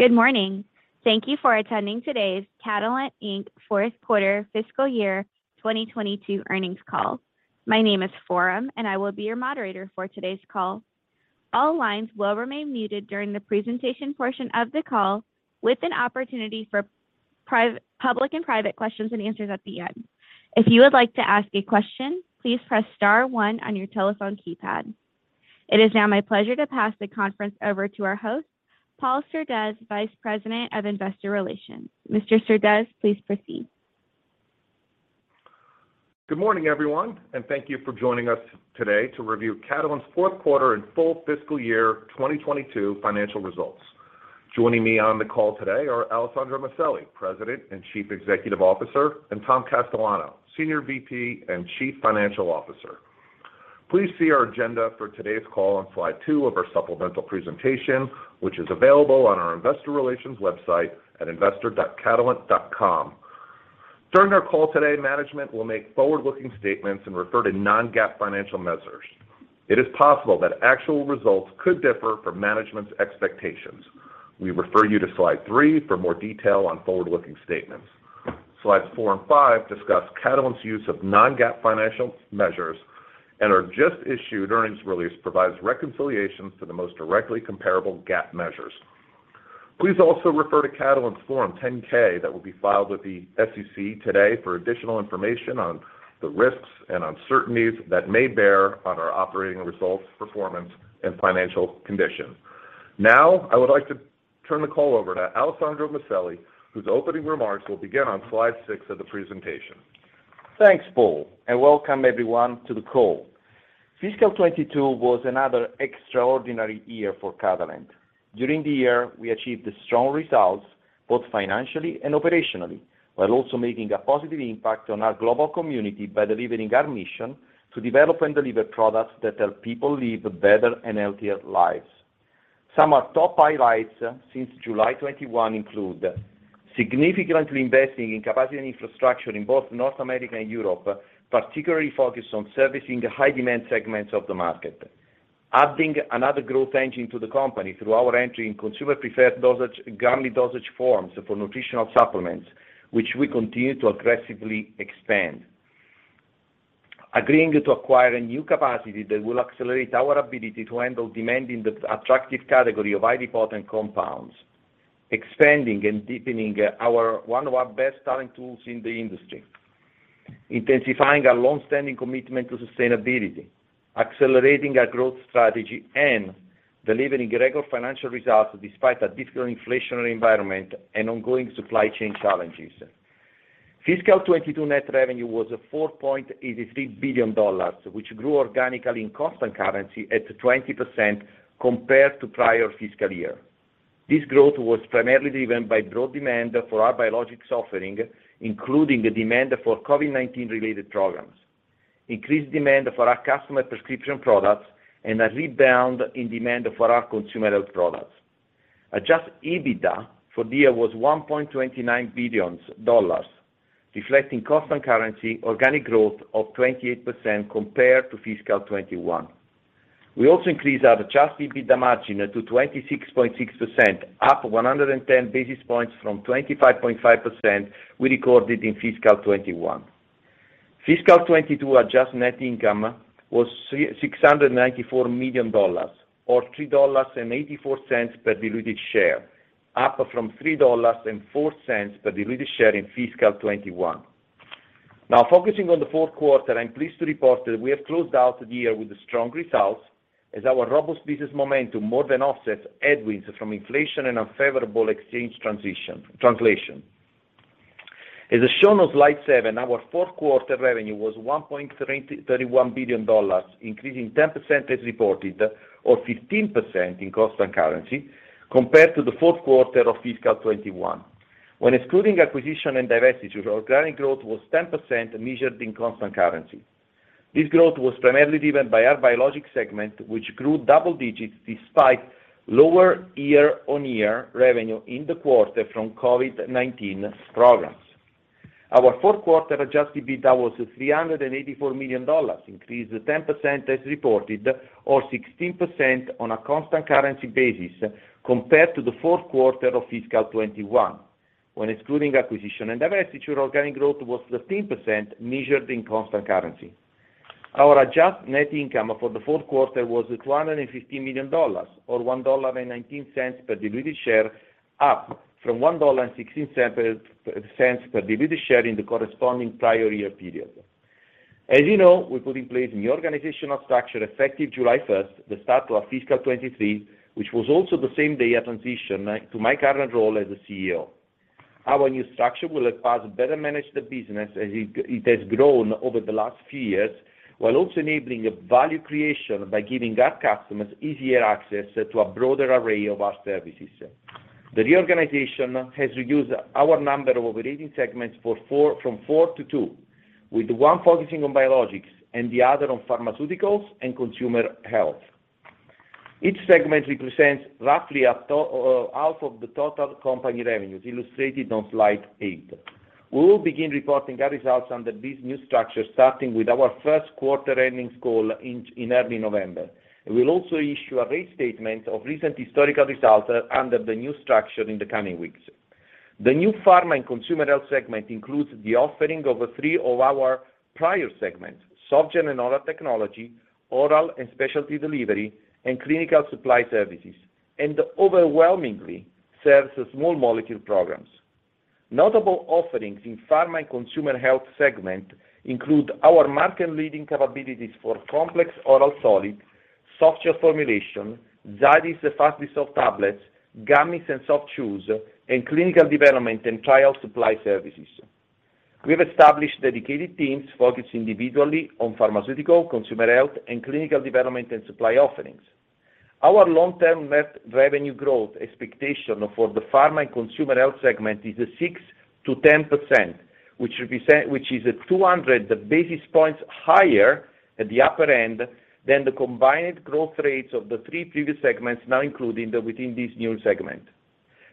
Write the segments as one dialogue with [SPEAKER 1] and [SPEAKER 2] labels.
[SPEAKER 1] Good morning. Thank you for attending today's Catalent, Inc fourth quarter fiscal year 2022 earnings call. My name is Forum, and I will be your moderator for today's call. All lines will remain muted during the presentation portion of the call, with an opportunity for public and private questions and answers at the end. If you would like to ask a question, please press star one on your telephone keypad. It is now my pleasure to pass the call over to our host, Paul Surdez, Vice President of Investor Relations. Mr. Surdez, please proceed.
[SPEAKER 2] Good morning, everyone, and thank you for joining us today to review Catalent's fourth quarter and full fiscal year 2022 financial results. Joining me on the call today are Alessandro Maselli, President and Chief Executive Officer, and Tom Castellano, Senior VP and Chief Financial Officer. Please see our agenda for today's call on slide two of our supplemental presentation, which is available on our investor relations website at investor.catalent.com. During our call today, management will make forward-looking statements and refer to non-GAAP financial measures. It is possible that actual results could differ from management's expectations. We refer you to slide three for more detail on forward-looking statements. Slides four and five discuss Catalent's use of non-GAAP financial measures, and our just-issued earnings release provides reconciliations to the most directly comparable GAAP measures. Please also refer to Catalent's Form 10-K that will be filed with the SEC today for additional information on the risks and uncertainties that may bear on our operating results, performance, and financial condition. Now, I would like to turn the call over to Alessandro Maselli, whose opening remarks will begin on slide six of the presentation.
[SPEAKER 3] Thanks, Paul, and welcome everyone to the call. Fiscal 2022 was another extraordinary year for Catalent. During the year, we achieved strong results, both financially and operationally, while also making a positive impact on our global community by delivering our mission to develop and deliver products that help people live better and healthier lives. Some of our top highlights since July 2021 include significantly investing in capacity and infrastructure in both North America and Europe, particularly focused on servicing the high-demand segments of the market. Adding another growth engine to the company through our entry in consumer-preferred dosage, gummy dosage forms for nutritional supplements, which we continue to aggressively expand. Agreeing to acquire a new capacity that will accelerate our ability to handle demand in the attractive category of high-potency compounds. Expanding and deepening one of our best talent pools in the industry. Intensifying our long-standing commitment to sustainability, accelerating our growth strategy, and delivering regular financial results despite a difficult inflationary environment and ongoing supply chain challenges. Fiscal 2022 net revenue was $4.83 billion, which grew organically in constant currency at 20% compared to prior fiscal year. This growth was primarily driven by broad demand for our Biologics offering, including the demand for COVID-19 related programs, increased demand for our customer prescription products, and a rebound in demand for our Consumer Health products. Adjusted EBITDA for the year was $1.29 billion, reflecting constant currency organic growth of 28% compared to fiscal 2021. We also increased our adjusted EBITDA margin to 26.6%, up 110 basis points from 25.5% we recorded in fiscal 2021. Fiscal 2022 adjusted net income was $694 million or $3.84 per diluted share, up from $3.04 per diluted share in fiscal 2021. Now focusing on the fourth quarter, I'm pleased to report that we have closed out the year with strong results as our robust business momentum more than offsets headwinds from inflation and unfavorable exchange translation. As shown on slide seven, our fourth quarter revenue was $1.331 billion, increasing 10% as reported or 15% in constant currency compared to the fourth quarter of fiscal 2021. When excluding acquisition and divestiture, organic growth was 10% measured in constant currency. This growth was primarily driven by our Biologics segment, which grew double digits despite lower year-on-year revenue in the quarter from COVID-19 programs. Our fourth quarter adjusted EBITDA was $384 million, increased 10% as reported or 16% on a constant currency basis compared to the fourth quarter of fiscal 2021. When excluding acquisition and divestiture, organic growth was 13% measured in constant currency. Our adjusted net income for the fourth quarter was $250 million or $1.19 per diluted share, up from $1.16 per diluted share in the corresponding prior year period. As you know, we put in place a new organizational structure effective July 1st, the start of our fiscal 2023, which was also the same day I transitioned to my current role as the CEO. Our new structure will allow us to better manage the business as it has grown over the last few years, while also enabling value creation by giving our customers easier access to a broader array of our services. The reorganization has reduced our number of operating segments from four to two, with one focusing on Biologics and the other on Pharmaceuticals and Consumer Health. Each segment represents roughly half of the total company revenues illustrated on slide eight. We will begin reporting our results under this new structure starting with our first quarter earnings call in early November. We'll also issue a restatement of recent historical results under the new structure in the coming weeks. The new Pharma and Consumer Health segment includes the offering of the three of our prior segments, Softgel and Oral Technologies, Oral and Specialty Delivery, and Clinical Supply Services, and overwhelmingly serves small molecule programs. Notable offerings in Pharma and Consumer Health segment include our market-leading capabilities for complex oral solids, Softgel formulation, Zydis fast-dissolve tablets, gummies and soft chews, and clinical development and trial supply services. We have established dedicated teams focused individually on pharmaceutical, Consumer Health, and clinical development and supply offerings. Our long-term revenue growth expectation for the Pharma and Consumer Health segment is 6%-10%, which is 200 basis points higher at the upper end than the combined growth rates of the three previous segments now included within this new segment.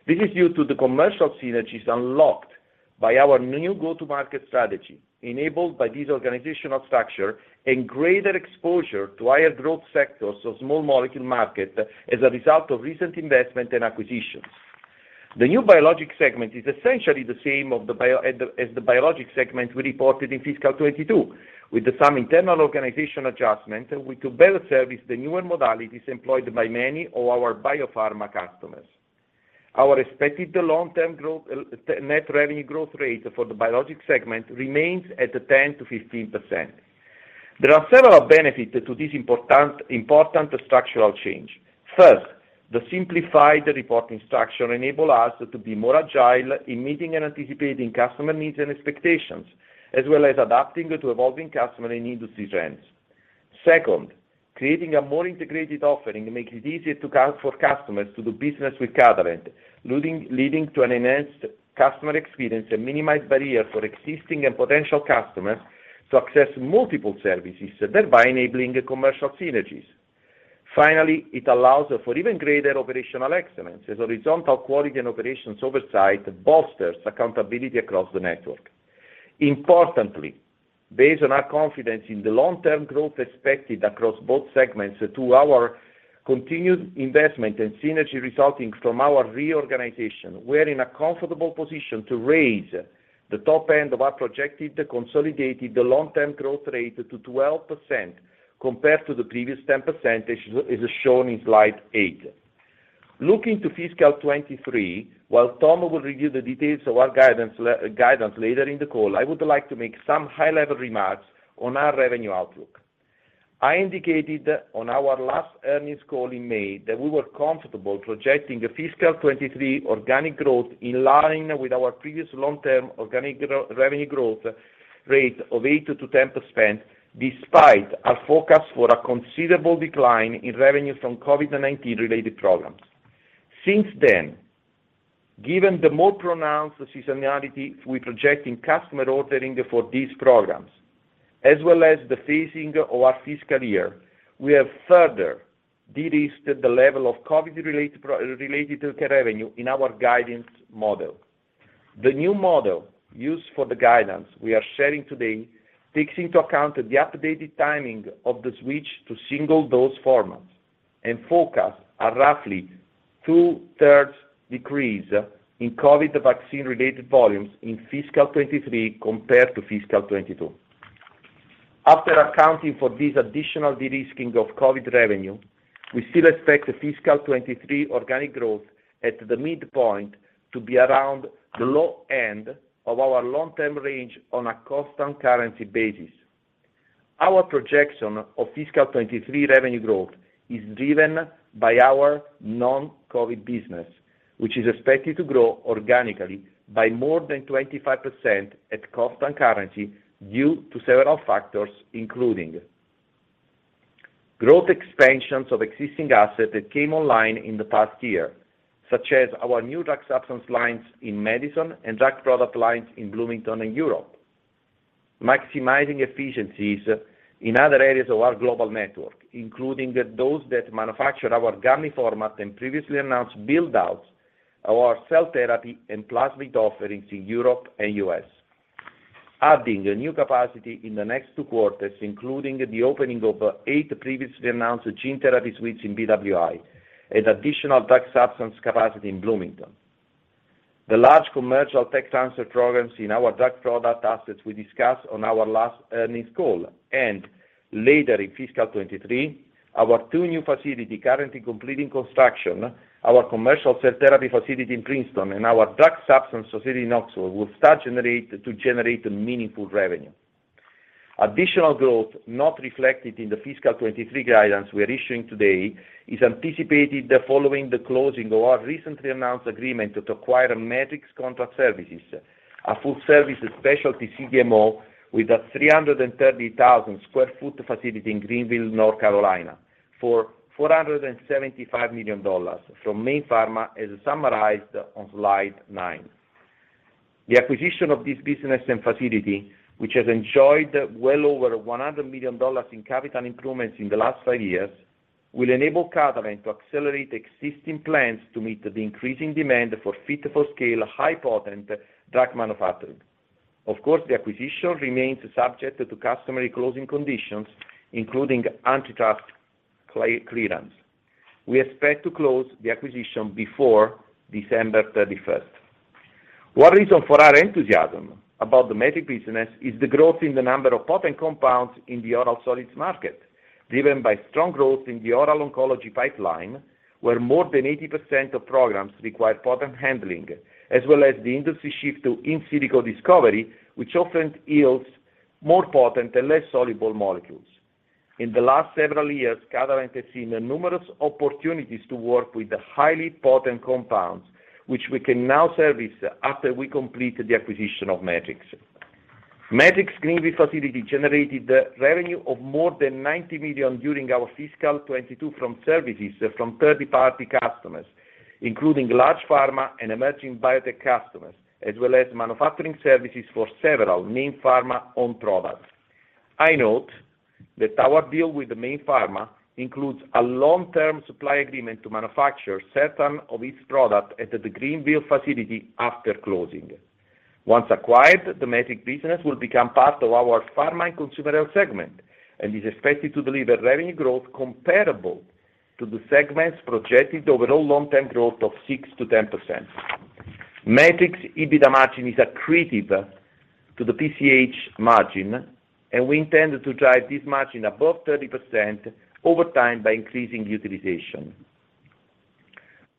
[SPEAKER 3] This is due to the commercial synergies unlocked by our new go-to-market strategy enabled by this organizational structure and greater exposure to higher growth sectors of small molecule market as a result of recent investment and acquisitions. The new Biologics segment is essentially the same as the Biologics segment we reported in fiscal 2022, with some internal organizational adjustments we could better service the newer modalities employed by many of our biopharma customers. Our expected long-term growth net revenue growth rate for the Biologics segment remains at 10%-15%. There are several benefits to this important structural change. First, the simplified reporting structure enable us to be more agile in meeting and anticipating customer needs and expectations, as well as adapting to evolving customer and industry trends. Second, creating a more integrated offering makes it easier to count for customers to do business with Catalent, leading to an enhanced customer experience and minimized barriers for existing and potential customers to access multiple services, thereby enabling commercial synergies. Finally, it allows for even greater operational excellence as horizontal quality and operations oversight bolsters accountability across the network. Importantly, based on our confidence in the long-term growth expected across both segments to our continued investment and synergy resulting from our reorganization, we're in a comfortable position to raise the top end of our projected consolidated long-term growth rate to 12% compared to the previous 10% as shown in slide eight. Looking to fiscal 2023, while Tom will review the details of our guidance later in the call, I would like to make some high-level remarks on our revenue outlook. I indicated on our last earnings call in May that we were comfortable projecting the fiscal 2023 organic growth in line with our previous long-term organic growth rate of 8%-10%, despite our forecast for a considerable decline in revenue from COVID-19-related programs. Since then, given the more pronounced seasonality we project in customer ordering for these programs, as well as the phasing of our fiscal year, we have further derisked the level of COVID-related revenue in our guidance model. The new model used for the guidance we are sharing today takes into account the updated timing of the switch to single-dose formats and forecasts a roughly 2/3 decrease in COVID vaccine-related volumes in fiscal 2023 compared to fiscal 2022. After accounting for this additional derisking of COVID revenue, we still expect the fiscal 2023 organic growth at the midpoint to be around the low end of our long-term range on a constant currency basis. Our projection of fiscal 2023 revenue growth is driven by our non-COVID business, which is expected to grow organically by more than 25% at constant currency due to several factors, including growth expansions of existing assets that came online in the past year, such as our new drug substance lines in Madison and drug product lines in Bloomington and Europe. Maximizing efficiencies in other areas of our global network, including those that manufacture our gummy format and previously announced build-outs of our cell therapy and plasmid offerings in Europe and U.S. Adding new capacity in the next two quarters, including the opening of eight previously announced gene therapy suites in BWI and additional drug substance capacity in Bloomington. The large commercial tech transfer programs in our drug product assets we discussed on our last earnings call, and later in fiscal 2023, our two new facilities currently completing construction, our commercial cell therapy facility in Princeton and our drug substance facility in Knoxville, will start to generate meaningful revenue. Additional growth not reflected in the fiscal 2023 guidance we're issuing today is anticipated following the closing of our recently announced agreement to acquire Metrics Contract Services, a full-service specialty CDMO with a 330,000 sq ft facility in Greenville, North Carolina, for $475 million from Mayne Pharma as summarized on slide nine. The acquisition of this business and facility, which has enjoyed well over $100 million in capital improvements in the last five years. Will enable Catalent to accelerate existing plans to meet the increasing demand for fit-for-scale high potent drug manufacturing. Of course, the acquisition remains subject to customary closing conditions, including antitrust clearance. We expect to close the acquisition before December thirty-first. One reason for our enthusiasm about the Metrics business is the growth in the number of potent compounds in the oral solids market, driven by strong growth in the oral oncology pipeline, where more than 80% of programs require potent handling, as well as the industry shift to in silico discovery, which often yields more potent and less soluble molecules. In the last several years, Catalent has seen numerous opportunities to work with the highly potent compounds, which we can now service after we complete the acquisition of Metrics. Metrics' Greenville facility generated revenue of more than $90 million during our fiscal 2022 from services to third-party customers, including large pharma and emerging biotech customers, as well as manufacturing services for several Mayne Pharma's own products. I note that our deal with Mayne Pharma includes a long-term supply agreement to manufacture certain of its products at the Greenville facility after closing. Once acquired, the Metrics business will become part of our Pharma and Consumer Health segment and is expected to deliver revenue growth comparable to the segment's projected overall long-term growth of 6%-10%. Metrics' EBITDA margin is accretive to the PCH margin, and we intend to drive this margin above 30% over time by increasing utilization.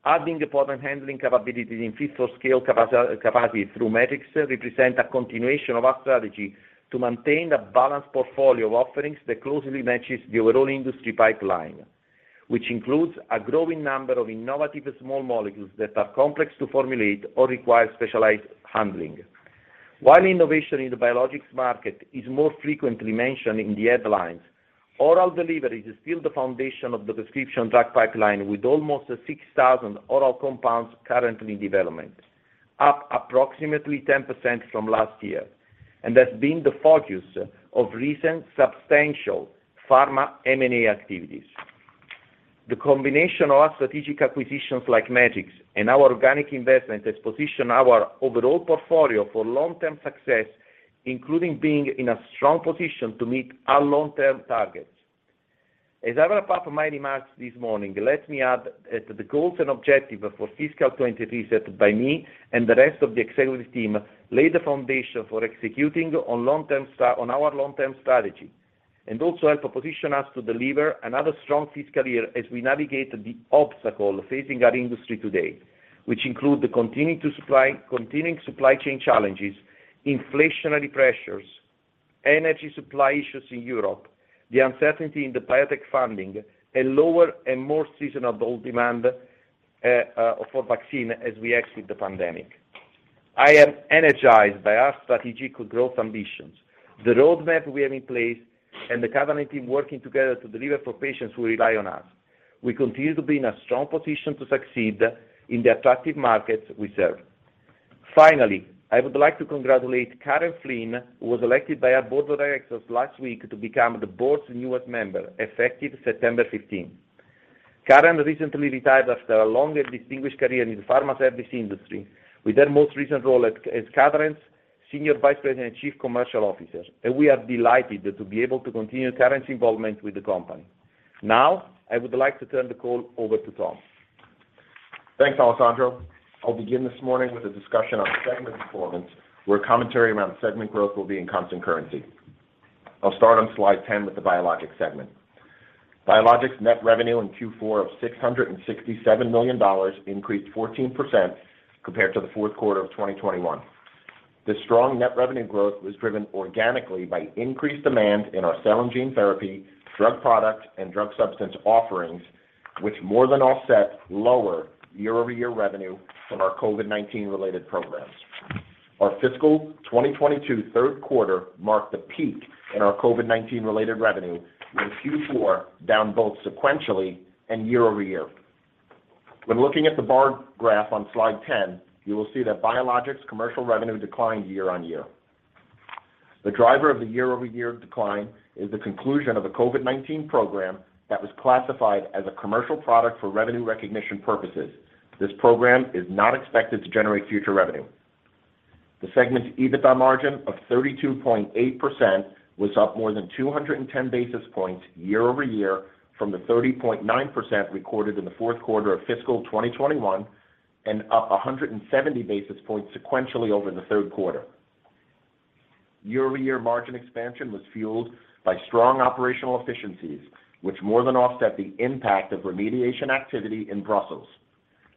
[SPEAKER 3] Adding the potent handling capabilities in fit-for-scale capacity through Metrics represent a continuation of our strategy to maintain a balanced portfolio of offerings that closely matches the overall industry pipeline, which includes a growing number of innovative small molecules that are complex to formulate or require specialized handling. While innovation in the Biologics market is more frequently mentioned in the headlines, oral delivery is still the foundation of the prescription drug pipeline with almost 6,000 oral compounds currently in development, up approximately 10% from last year, and that's been the focus of recent substantial pharma M&A activities. The combination of our strategic acquisitions like Metrics and our organic investment has positioned our overall portfolio for long-term success, including being in a strong position to meet our long-term targets. As I wrap up my remarks this morning, let me add that the goals and objective for fiscal 2023 set by me and the rest of the executive team lay the foundation for executing on our long-term strategy and also help to position us to deliver another strong fiscal year as we navigate the obstacles facing our industry today, which include continuing supply chain challenges, inflationary pressures, energy supply issues in Europe, the uncertainty in the biotech funding, a lower and more seasonal demand for vaccines as we exit the pandemic. I am energized by our strategic growth ambitions, the roadmap we have in place, and the Catalent team working together to deliver for patients who rely on us. We continue to be in a strong position to succeed in the attractive markets we serve. Finally, I would like to congratulate Karen Flynn, who was elected by our board of directors last week to become the board's newest member, effective September fifteenth. Karen recently retired after a long and distinguished career in the pharma service industry with her most recent role as Catalent's Senior Vice President and Chief Commercial Officer, and we are delighted to be able to continue Karen's involvement with the company. Now, I would like to turn the call over to Tom.
[SPEAKER 4] Thanks, Alessandro. I'll begin this morning with a discussion on segment performance, where commentary around segment growth will be in constant currency. I'll start on slide 10 with the Biologics segment. Biologics net revenue in Q4 of $667 million increased 14% compared to the fourth quarter of 2021. This strong net revenue growth was driven organically by increased demand in our cell and gene therapy, drug products, and drug substance offerings, which more than offset lower year-over-year revenue from our COVID-19 related programs. Our fiscal 2022 third quarter marked the peak in our COVID-19 related revenue, with Q4 down both sequentially and year-over-year. When looking at the bar graph on slide 10, you will see that Biologics commercial revenue declined year-over-year. The driver of the year-over-year decline is the conclusion of a COVID-19 program that was classified as a commercial product for revenue recognition purposes. This program is not expected to generate future revenue. The segment's EBITDA margin of 32.8% was up more than 210 basis points year-over-year from the 30.9% recorded in the fourth quarter of fiscal 2021 and up 170 basis points sequentially over the third quarter. Year-over-year margin expansion was fueled by strong operational efficiencies, which more than offset the impact of remediation activity in Brussels.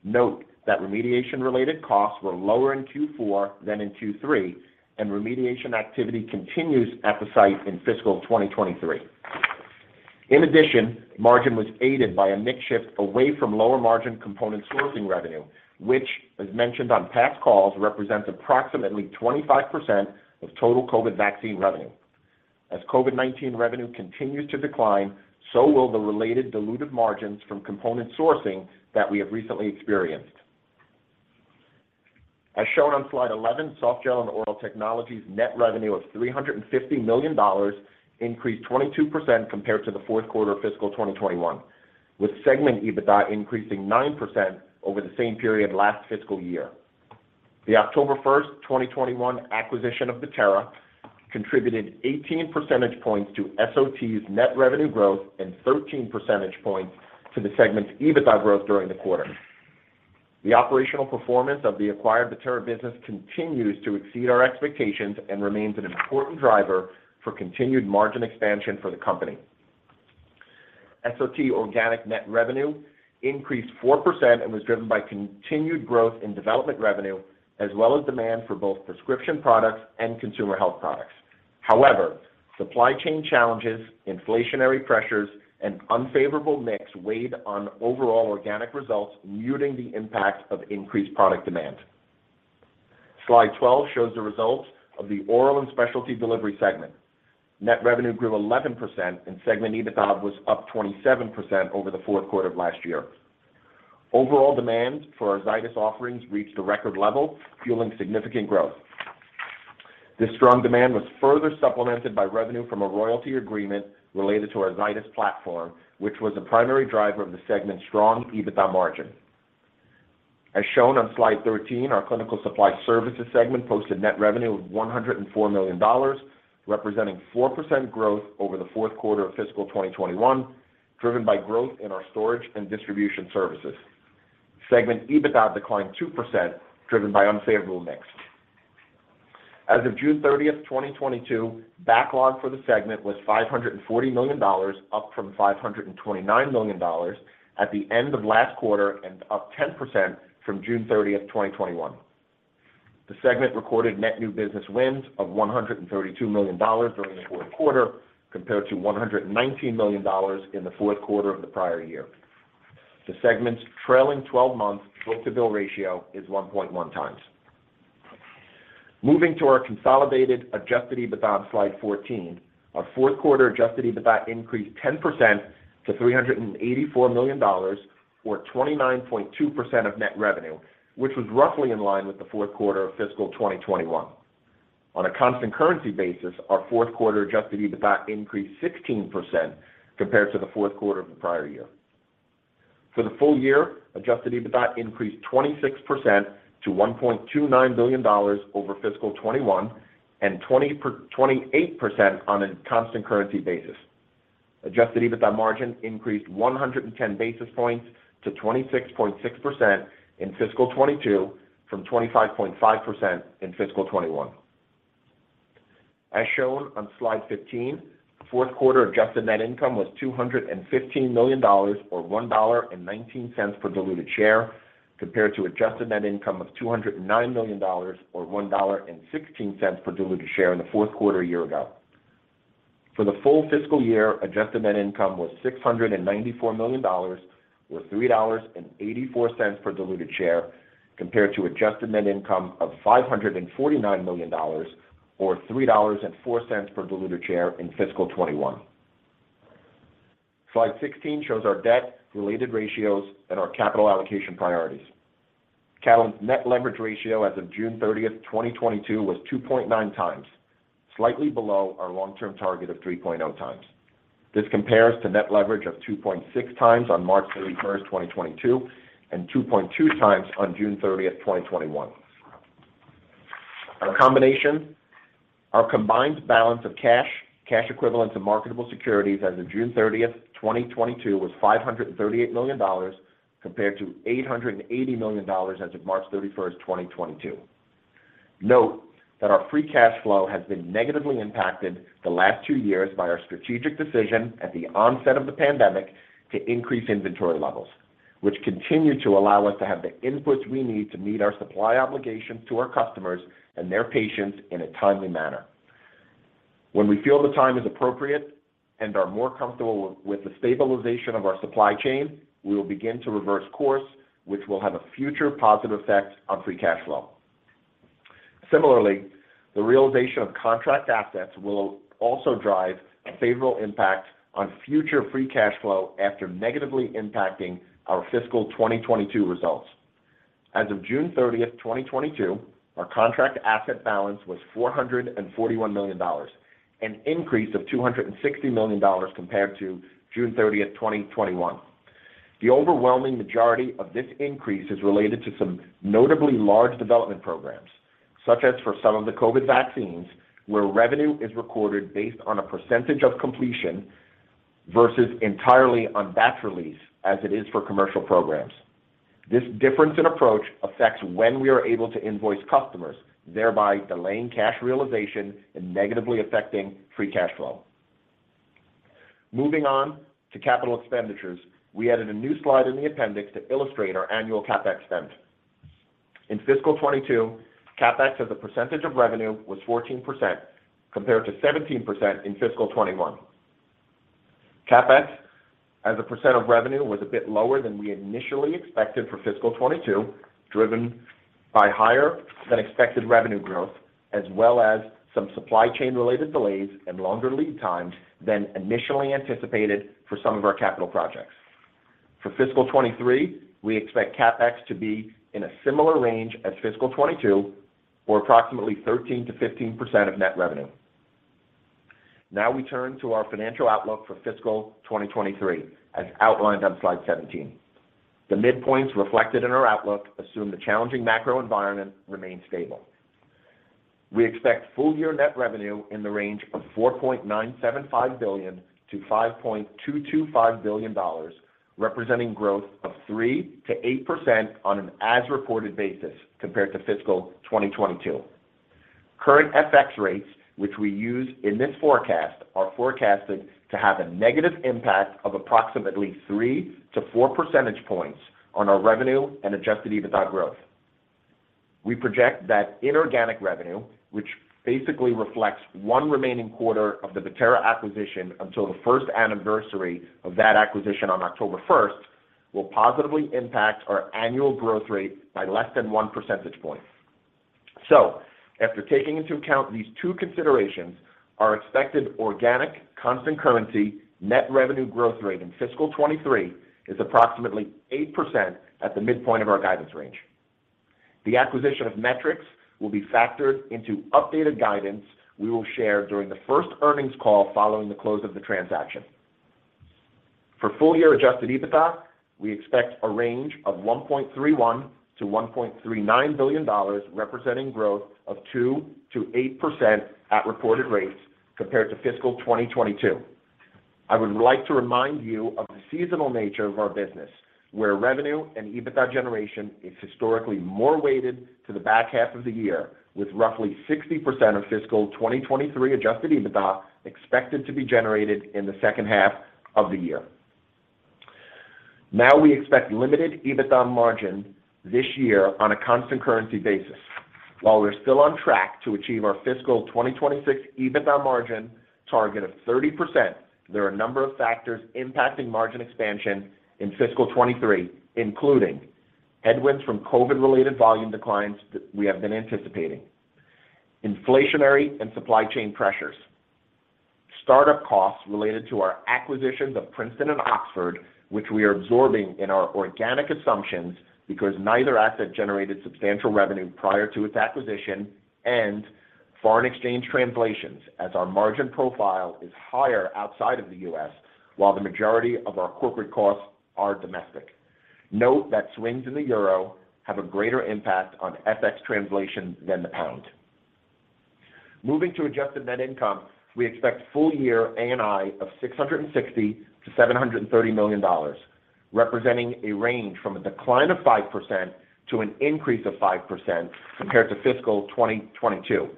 [SPEAKER 4] Note that remediation-related costs were lower in Q4 than in Q3, and remediation activity continues at the site in fiscal 2023. In addition, margin was aided by a mix shift away from lower-margin component sourcing revenue, which as mentioned on past calls, represents approximately 25% of total COVID vaccine revenue. As COVID-19 revenue continues to decline, so will the related dilutive margins from component sourcing that we have recently experienced. As shown on slide 11, Softgel and Oral Technologies net revenue of $350 million increased 22% compared to the fourth quarter of fiscal 2021, with segment EBITDA increasing 9% over the same period last fiscal year. The October 1st, 2021 acquisition of Bettera contributed 18 percentage points to SOT's net revenue growth and 13 percentage points to the segment's EBITDA growth during the quarter. The operational performance of the acquired Bettera business continues to exceed our expectations and remains an important driver for continued margin expansion for the company. SOT organic net revenue increased 4% and was driven by continued growth in development revenue as well as demand for both prescription products and Consumer Health products. However, supply chain challenges, inflationary pressures, and unfavorable mix weighed on overall organic results, muting the impact of increased product demand. Slide 12 shows the results of the Oral and Specialty Delivery segment. Net revenue grew 11% and segment EBITDA was up 27% over the fourth quarter of last year. Overall demand for our Zydis offerings reached a record level, fueling significant growth. This strong demand was further supplemented by revenue from a royalty agreement related to our Zydis platform, which was the primary driver of the segment's strong EBITDA margin. As shown on slide 13, our Clinical Supply Services segment posted net revenue of $104 million, representing 4% growth over the fourth quarter of fiscal 2021, driven by growth in our storage and distribution services. Segment EBITDA declined 2%, driven by unfavorable mix. As of June 30th, 2022, backlog for the segment was $540 million, up from $529 million at the end of last quarter and up 10% from June 30th, 2021. The segment recorded net new business wins of $132 million during the fourth quarter compared to $119 million in the fourth quarter of the prior year. The segment's trailing 12-month book-to-bill ratio is 1.1x. Moving to our consolidated adjusted EBITDA on slide 14, our fourth quarter adjusted EBITDA increased 10% to $384 million or 29.2% of net revenue, which was roughly in line with the fourth quarter of fiscal 2021. On a constant currency basis, our fourth quarter adjusted EBITDA increased 16% compared to the fourth quarter of the prior year. For the full year, adjusted EBITDA increased 26% to $1.29 billion over fiscal 2021 and 28% on a constant currency basis. Adjusted EBITDA margin increased 110 basis points to 26.6% in fiscal 2022 from 25.5% in fiscal 2021. As shown on slide 15, fourth quarter adjusted net income was $215 million or $1.19 per diluted share compared to adjusted net income of $209 million or $1.16 per diluted share in the fourth quarter a year ago. For the full fiscal year, adjusted net income was $694 million or $3.84 per diluted share compared to adjusted net income of $549 million or $3.04 per diluted share in fiscal 2021. Slide 16 shows our debt, related ratios, and our capital allocation priorities. Catalent's net leverage ratio as of June 30th, 2022 was 2.9x, slightly below our long-term target of 3.0x. This compares to net leverage of 2.6x on March 31st, 2022 and 2.2x on June 30th, 2021. Our combined balance of cash equivalents, and marketable securities as of June 30th, 2022 was $538 million compared to $880 million as of March 31st, 2022. Note that our free cash flow has been negatively impacted the last two years by our strategic decision at the onset of the pandemic to increase inventory levels, which continue to allow us to have the inputs we need to meet our supply obligations to our customers and their patients in a timely manner. When we feel the time is appropriate and are more comfortable with the stabilization of our supply chain, we will begin to reverse course, which will have a future positive effect on free cash flow. Similarly, the realization of contract assets will also drive a favorable impact on future free cash flow after negatively impacting our fiscal 2022 results. As of June 30th, 2022, our contract asset balance was $441 million, an increase of $260 million compared to June 30th, 2021. The overwhelming majority of this increase is related to some notably large development programs, such as for some of the COVID vaccines, where revenue is recorded based on a percentage of completion versus entirely on batch release, as it is for commercial programs. This difference in approach affects when we are able to invoice customers, thereby delaying cash realization and negatively affecting free cash flow. Moving on to capital expenditures, we added a new slide in the appendix to illustrate our annual CapEx spend. In fiscal 2022, CapEx as a percentage of revenue was 14% compared to 17% in fiscal 2021. CapEx as a percent of revenue was a bit lower than we initially expected for fiscal 2022, driven by higher than expected revenue growth, as well as some supply chain related delays and longer lead times than initially anticipated for some of our capital projects. For fiscal 2023, we expect CapEx to be in a similar range as fiscal 2022 or approximately 13%-15% of net revenue. Now we turn to our financial outlook for fiscal 2023, as outlined on slide 17. The midpoints reflected in our outlook assume the challenging macro environment remains stable. We expect full year net revenue in the range of $4.975 billion-$5.225 billion, representing growth of 3%-8% on an as-reported basis compared to fiscal 2022. Current FX rates, which we use in this forecast, are forecasted to have a negative impact of approximately 3-4 percentage points on our revenue and adjusted EBITDA growth. We project that inorganic revenue, which basically reflects one remaining quarter of the Bettera acquisition until the first anniversary of that acquisition on October 1st, will positively impact our annual growth rate by less than 1 percentage point. After taking into account these two considerations, our expected organic constant currency net revenue growth rate in fiscal 2023 is approximately 8% at the midpoint of our guidance range. The acquisition of Metrics will be factored into updated guidance we will share during the first earnings call following the close of the transaction. For full-year adjusted EBITDA, we expect a range of $1.31 billion-$1.39 billion, representing growth of 2%-8% at reported rates compared to fiscal 2022. I would like to remind you of the seasonal nature of our business, where revenue and EBITDA generation is historically more weighted to the back half of the year with roughly 60% of fiscal 2023 adjusted EBITDA expected to be generated in the second half of the year. Now we expect limited EBITDA margin this year on a constant currency basis. While we're still on track to achieve our fiscal 2026 EBITDA margin target of 30%, there are a number of factors impacting margin expansion in fiscal 2023, including headwinds from COVID-related volume declines that we have been anticipating, inflationary and supply chain pressures, startup costs related to our acquisitions of Princeton and Oxford, which we are absorbing in our organic assumptions because neither asset generated substantial revenue prior to its acquisition, and foreign exchange translations as our margin profile is higher outside of the U.S., while the majority of our corporate costs are domestic. Note that swings in the euro have a greater impact on FX translation than the pound. Moving to adjusted net income, we expect full year ANI of $660 million-$730 million, representing a range from a decline of 5% to an increase of 5% compared to fiscal 2022.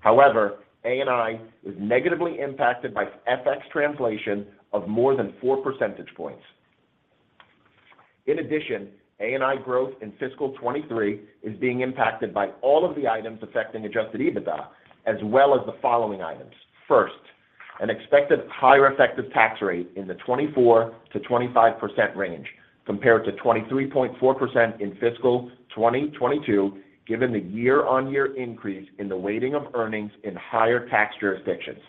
[SPEAKER 4] However, ANI is negatively impacted by FX translation of more than four percentage points. In addition, ANI growth in fiscal 2023 is being impacted by all of the items affecting adjusted EBITDA as well as the following items. First, an expected higher effective tax rate in the 24%-25% range compared to 23.4% in fiscal 2022, given the year-on-year increase in the weighting of earnings in higher tax jurisdictions.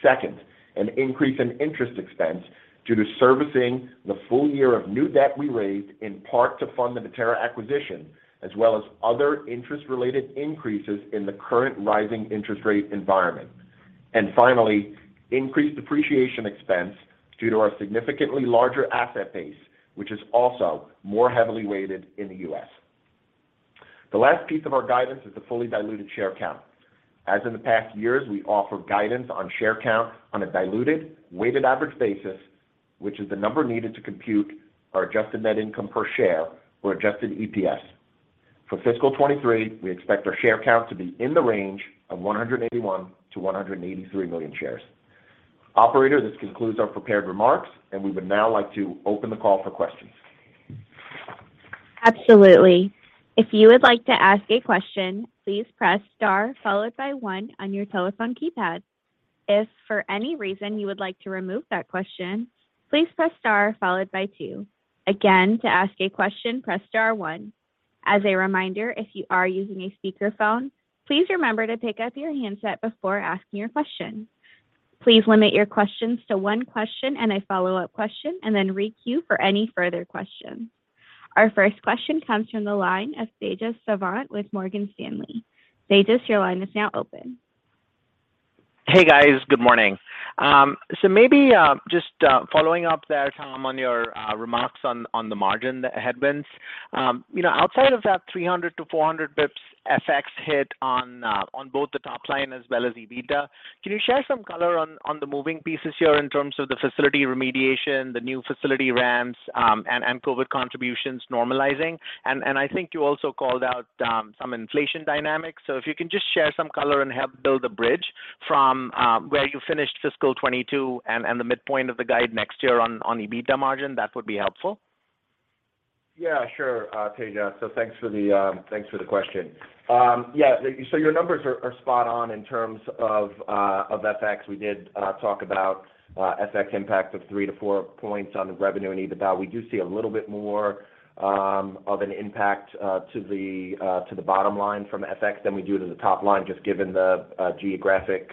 [SPEAKER 4] Second, an increase in interest expense due to servicing the full year of new debt we raised in part to fund the Bettera acquisition, as well as other interest related increases in the current rising interest rate environment. Finally, increased depreciation expense due to our significantly larger asset base, which is also more heavily weighted in the U.S. The last piece of our guidance is the fully diluted share count. As in the past years, we offer guidance on share count on a diluted weighted average basis, which is the number needed to compute our adjusted net income per share or adjusted EPS. For fiscal 2023, we expect our share count to be in the range of 181 million-183 million shares. Operator, this concludes our prepared remarks, and we would now like to open the call for questions.
[SPEAKER 1] Absolutely. If you would like to ask a question, please press star, followed by one on your telephone keypad. If for any reason you would like to remove that question, please press star followed by two. Again, to ask a question, press star one. As a reminder, if you are using a speakerphone, please remember to pick up your handset before asking your question. Please limit your questions to one question and a follow-up question and then re-queue for any further questions. Our first question comes from the line of Tejas Savant with Morgan Stanley. Tejas, your line is now open.
[SPEAKER 5] Hey, guys. Good morning. Maybe just following up there, Tom, on your remarks on the margin headwinds. You know, outside of that 300-400 basis points FX hit on both the top line as well as EBITDA, can you share some color on the moving pieces here in terms of the facility remediation, the new facility ramps, and COVID contributions normalizing? I think you also called out some inflation dynamics. If you can just share some color and help build a bridge from where you finished fiscal 2022 and the midpoint of the guide next year on EBITDA margin, that would be helpful.
[SPEAKER 4] Yeah, sure, Tejas. Thanks for the question. Yeah, your numbers are spot on in terms of FX. We did talk about FX impact of 3%-4% on revenue and EBITDA. We do see a little bit more of an impact to the bottom line from FX than we do to the top line, just given the geographic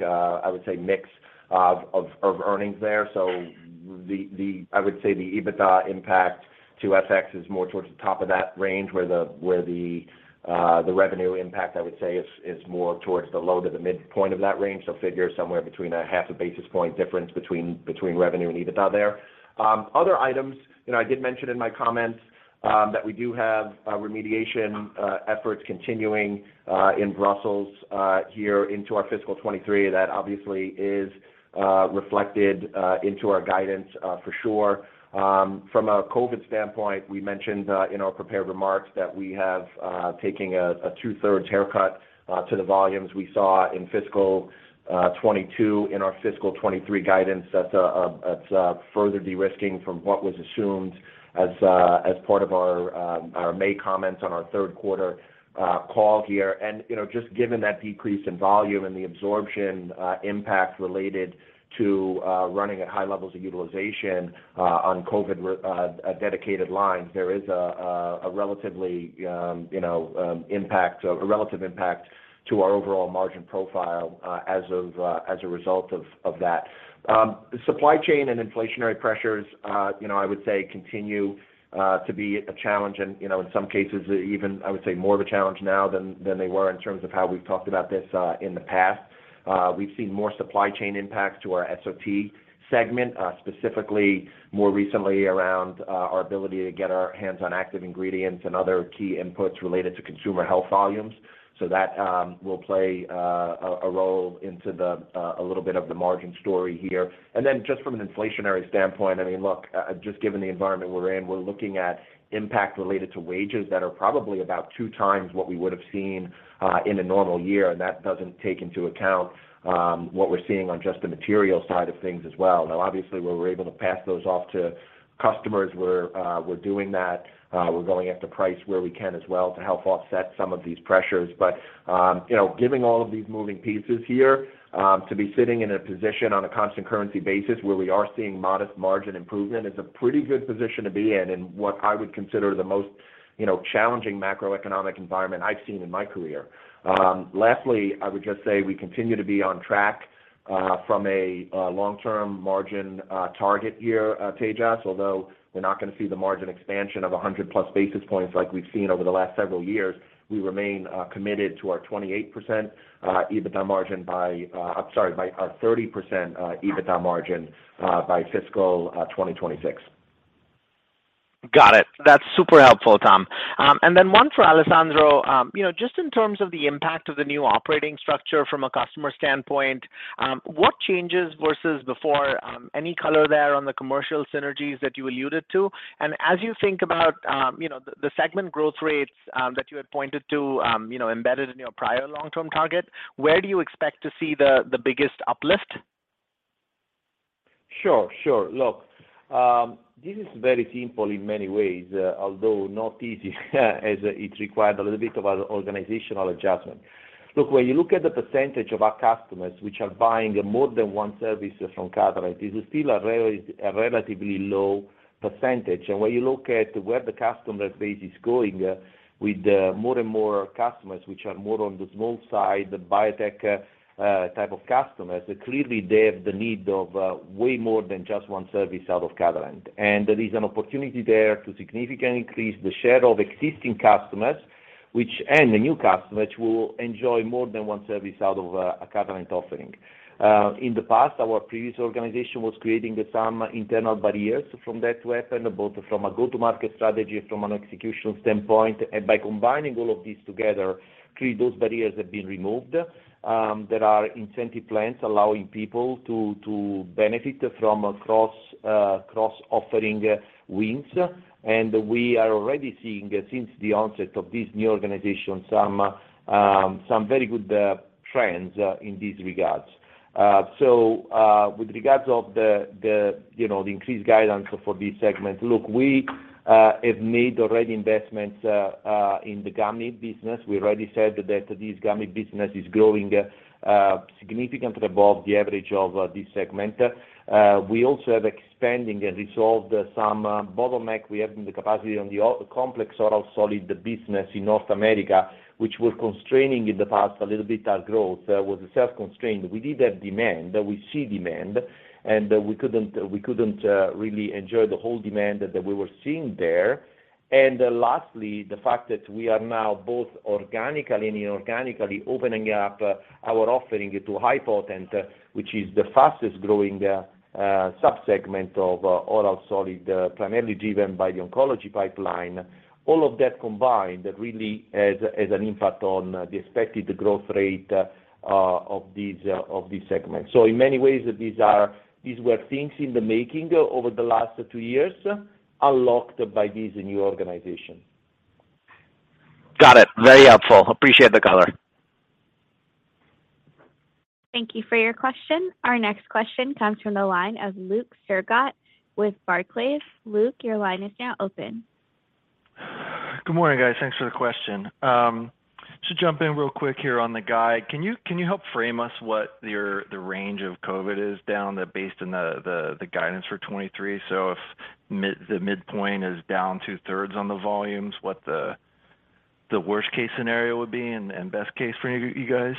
[SPEAKER 4] mix of earnings there. The EBITDA impact to FX is more towards the top of that range, where the revenue impact I would say is more towards the low to the mid point of that range. Figure somewhere between half a basis point difference between revenue and EBITDA there. Other items, you know, I did mention in my comments that we do have remediation efforts continuing in Brussels here into our fiscal 2023. That obviously is reflected into our guidance for sure. From a COVID standpoint, we mentioned in our prepared remarks that we have taking a 2/3 haircut to the volumes we saw in fiscal 2022. In our fiscal 2023 guidance, that's further de-risking from what was assumed as part of our May comments on our third quarter call here. You know, just given that decrease in volume and the absorption impact related to running at high levels of utilization on COVID dedicated lines, there is a relative impact to our overall margin profile as a result of that. Supply chain and inflationary pressures, you know, I would say continue to be a challenge. In some cases, even I would say more of a challenge now than they were in terms of how we've talked about this in the past. We've seen more supply chain impacts to our SOT segment, specifically more recently around our ability to get our hands on active ingredients and other key inputs related to Consumer Health volumes. That will play a role in a little bit of the margin story here. Just from an inflationary standpoint, I mean, look, just given the environment we're in, we're looking at impact related to wages that are probably about two times what we would have seen in a normal year. That doesn't take into account what we're seeing on just the material side of things as well. Now, obviously, where we're able to pass those on to customers, we're doing that. We're going after price where we can as well to help offset some of these pressures. You know, giving all of these moving pieces here, to be sitting in a position on a constant currency basis where we are seeing modest margin improvement is a pretty good position to be in what I would consider the most, you know, challenging macroeconomic environment I've seen in my career. Lastly, I would just say we continue to be on track from a long-term margin target year, Tejas. Although we're not gonna see the margin expansion of 100+ basis points like we've seen over the last several years, we remain committed to our 28% EBITDA margin by, I'm sorry, by our 30% EBITDA margin by fiscal 2026.
[SPEAKER 5] Got it. That's super helpful, Tom. One for Alessandro. You know, just in terms of the impact of the new operating structure from a customer standpoint, what changes versus before, any color there on the commercial synergies that you alluded to? As you think about, you know, the segment growth rates, that you had pointed to, you know, embedded in your prior long-term target, where do you expect to see the biggest uplift?
[SPEAKER 3] Sure, sure. Look, this is very simple in many ways, although not easy as it required a little bit of an organizational adjustment. Look, when you look at the percentage of our customers which are buying more than one service from Catalent, this is still a relatively low percentage. When you look at where the customer base is going, with the more and more customers which are more on the small side, the biotech type of customers, clearly they have the need of way more than just one service out of Catalent. There is an opportunity there to significantly increase the share of existing customers and the new customers, which will enjoy more than one service out of a Catalent offering. In the past, our previous organization was creating some internal barriers from that viewpoint, both from a go-to-market strategy, from an execution standpoint. By combining all of these together, clearly those barriers have been removed. There are incentive plans allowing people to benefit from across offering wins. We are already seeing, since the onset of this new organization, some very good trends in these regards. With regard to, you know, the increased guidance for these segments, look, we have made already investments in the gummy business. We already said that this gummy business is growing significantly above the average of this segment. We also have expanded and resolved some bottleneck we have in the capacity on the complex oral solid, the business in North America, which was constraining in the past a little bit our growth. It was a self-constraint. We did have demand, we see demand, and we couldn't really enjoy the whole demand that we were seeing there. Lastly, the fact that we are now both organically and inorganically opening up our offering to high potency, which is the fastest-growing sub-segment of oral solid, primarily driven by the oncology pipeline. All of that combined really has an impact on the expected growth rate of these segments. In many ways, these were things in the making over the last two years, unlocked by this new organization.
[SPEAKER 5] Got it. Very helpful. Appreciate the color.
[SPEAKER 1] Thank you for your question. Our next question comes from the line of Luke Sergott with Barclays. Luke, your line is now open.
[SPEAKER 6] Good morning, guys. Thanks for the question. To jump in real quick here on the guidance. Can you help frame for us what the range of COVID is down to based on the guidance for 2023? If the midpoint is down 2/3 on the volumes, what the worst-case scenario would be and best case for you guys?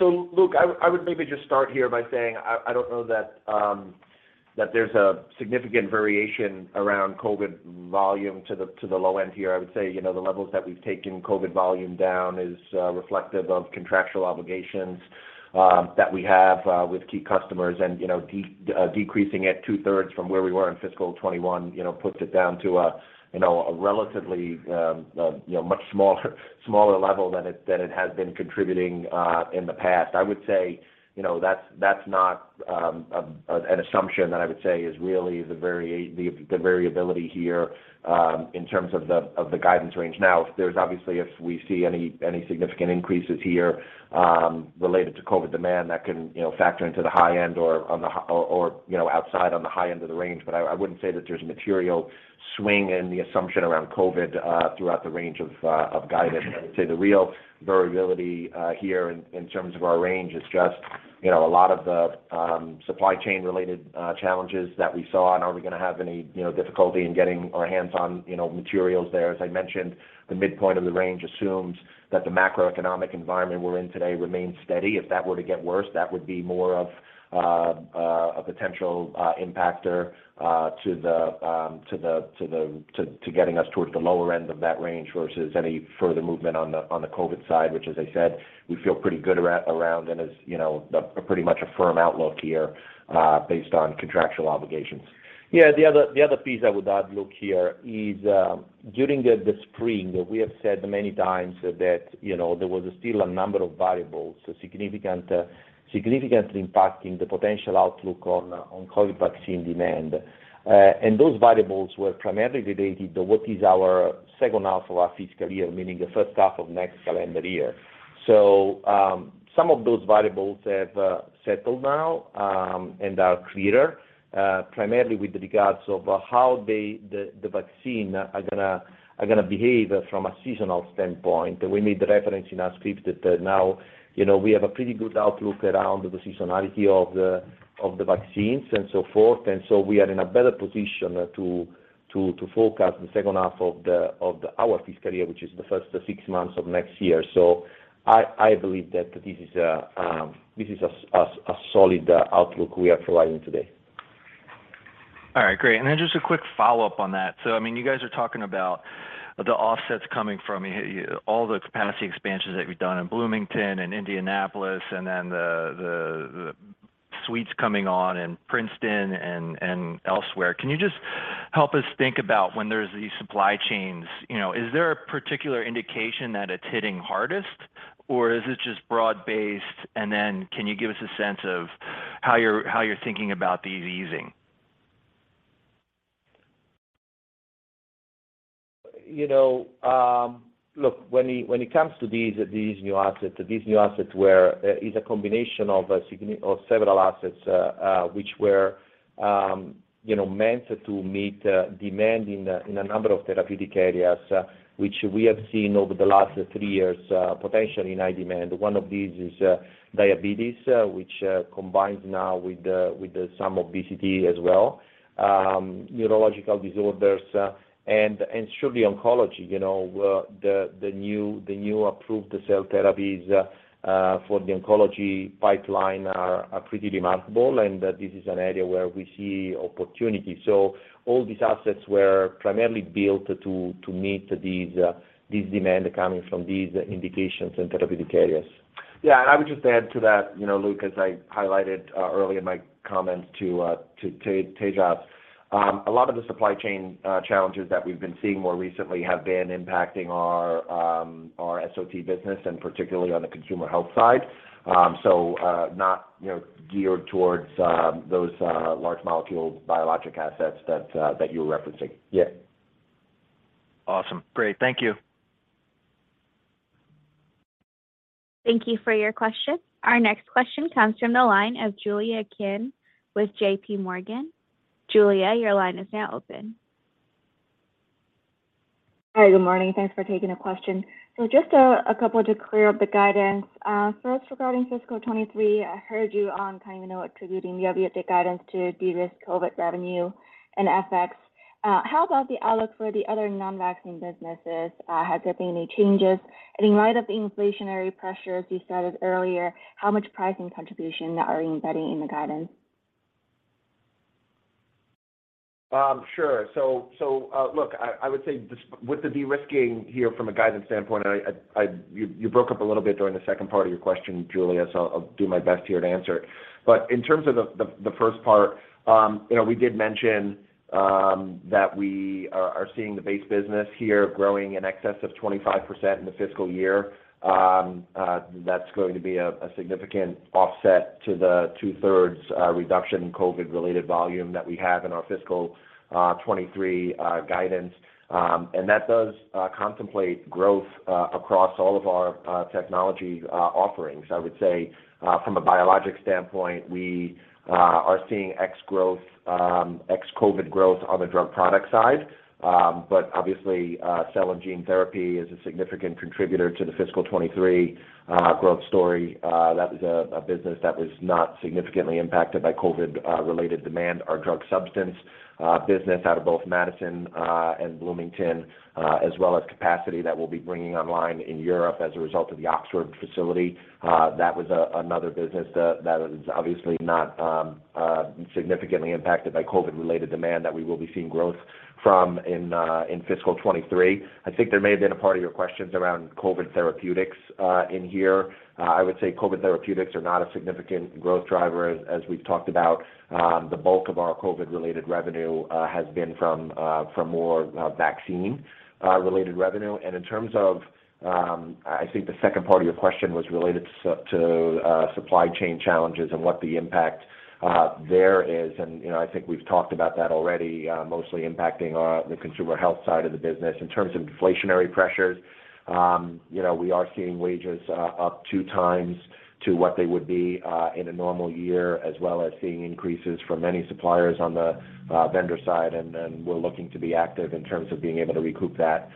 [SPEAKER 4] Luke, I would maybe just start here by saying I don't know that there's a significant variation around COVID volume to the low end here. I would say, you know, the levels that we've taken COVID volume down is reflective of contractual obligations that we have with key customers and, you know, decreasing at 2/3 from where we were in fiscal 2021, you know, puts it down to a relatively, you know, much smaller level than it has been contributing in the past. I would say, you know, that's not an assumption that I would say is really the variability here in terms of the guidance range. Now, there's obviously if we see any significant increases here related to COVID demand that can, you know, factor into the high end or on the high end of the range. I wouldn't say that there's material swing in the assumption around COVID throughout the range of guidance. I would say the real variability here in terms of our range is just, you know, a lot of the supply chain related challenges that we saw, and are we gonna have any, you know, difficulty in getting our hands on, you know, materials there. As I mentioned, the midpoint of the range assumes that the macroeconomic environment we're in today remains steady. If that were to get worse, that would be more of a potential impactor to getting us towards the lower end of that range versus any further movement on the COVID side, which as I said, we feel pretty good around and is, you know, a pretty much a firm outlook here, based on contractual obligations.
[SPEAKER 3] Yeah. The other piece I would add, Luke, here is, during the spring, we have said many times that, you know, there was still a number of variables, so significant, significantly impacting the potential outlook on COVID vaccine demand. Those variables were primarily related to what is our second half of our fiscal year, meaning the first half of next calendar year. Some of those variables have settled now, and are clearer, primarily with regards of how the vaccine are gonna behave from a seasonal standpoint. We made the reference in our script that now, you know, we have a pretty good outlook around the seasonality of the vaccines and so forth, and so we are in a better position to forecast the second half of our fiscal year, which is the first six months of next year. I believe that this is a solid outlook we are providing today.
[SPEAKER 6] All right. Great. Then just a quick follow-up on that. I mean, you guys are talking about the offsets coming from all the capacity expansions that you've done in Bloomington and Indianapolis and then the suites coming on in Princeton and elsewhere. Can you just help us think about when there's these supply chains, you know, is there a particular indication that it's hitting hardest, or is it just broad-based? Then can you give us a sense of how you're thinking about these easing?
[SPEAKER 3] You know, look, when it comes to these new assets, these new assets is a combination of several assets, which were, you know, meant to meet demand in a number of therapeutic areas, which we have seen over the last three years, potentially high demand. One of these is diabetes, which combines now with some obesity as well, neurological disorders, and surely oncology. You know, the new approved cell therapies for the oncology pipeline are pretty remarkable, and this is an area where we see opportunity. All these assets were primarily built to meet these demand coming from these indications in therapeutic areas.
[SPEAKER 4] Yeah. I would just add to that, you know, Luke, as I highlighted early in my comments to Tejas. A lot of the supply chain challenges that we've been seeing more recently have been impacting our SOT business and particularly on the Consumer Health side. Not geared towards those large molecule biologic assets that you're referencing.
[SPEAKER 3] Yeah.
[SPEAKER 6] Awesome. Great. Thank you.
[SPEAKER 1] Thank you for your question. Our next question comes from the line of Julia Qin with JPMorgan. Julia, your line is now open.
[SPEAKER 7] Hi. Good morning. Thanks for taking the question. Just a couple to clear up the guidance. First regarding fiscal 2023, I heard you, kind of, you know, attributing the updated guidance to de-risk COVID revenue and FX. How about the outlook for the other non-vaccine businesses? Has there been any changes? In light of the inflationary pressures you cited earlier, how much pricing contribution are you embedding in the guidance?
[SPEAKER 4] Sure. Look, you broke up a little bit during the second part of your question, Julia, so I'll do my best here to answer. In terms of the first part, you know, we did mention that we are seeing the base business here growing in excess of 25% in the fiscal year. That's going to be a significant offset to the 2/3 reduction in COVID-related volume that we have in our fiscal 2023 guidance. That does contemplate growth across all of our technology offerings. I would say, from a biologic standpoint, we are seeing ex-growth, ex-COVID growth on the drug product side. Obviously, cell and gene therapy is a significant contributor to the fiscal 2023 growth story. That was a business that was not significantly impacted by COVID-related demand. Our drug substance business out of both Madison and Bloomington, as well as capacity that we'll be bringing online in Europe as a result of the Oxford facility, that was another business that is obviously not significantly impacted by COVID-related demand that we will be seeing growth from in fiscal 2023. I think there may have been a part of your questions around COVID therapeutics in here. I would say COVID therapeutics are not a significant growth driver. As we've talked about, the bulk of our COVID-related revenue has been from more vaccine-related revenue. In terms of, I think the second part of your question was related to supply chain challenges and what the impact there is, and you know, I think we've talked about that already, mostly impacting the Consumer Health side of the business. In terms of inflationary pressures, you know, we are seeing wages up two times what they would be in a normal year, as well as seeing increases from many suppliers on the vendor side. We're looking to be active in terms of being able to recoup that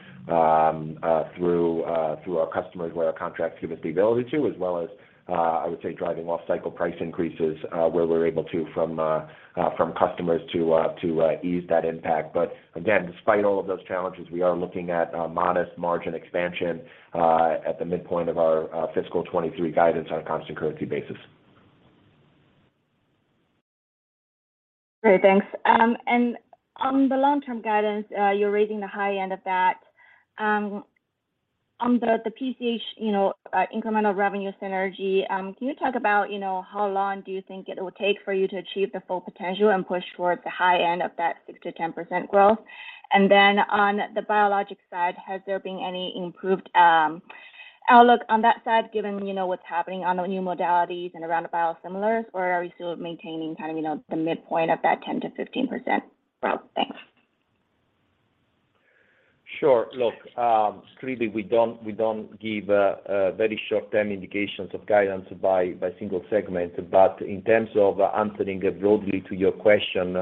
[SPEAKER 4] through our customers where our contract gives us the ability to, as well as I would say, driving off-cycle price increases where we're able to from customers to ease that impact. Again, despite all of those challenges, we are looking at a modest margin expansion at the midpoint of our fiscal 2023 guidance on a constant currency basis.
[SPEAKER 7] Great. Thanks. On the long-term guidance, you're raising the high end of that. On the PCH, you know, incremental revenue synergy, can you talk about, you know, how long do you think it will take for you to achieve the full potential and push towards the high end of that 6%-10% growth? On the biologic side, has there been any improved outlook on that side given, you know, what's happening on the new modalities and around the biosimilars, or are you still maintaining kind of, you know, the midpoint of that 10%-15% growth? Thanks.
[SPEAKER 3] Sure. Look, clearly, we don't give a very short-term indication of guidance by single segment. In terms of answering broadly to your question,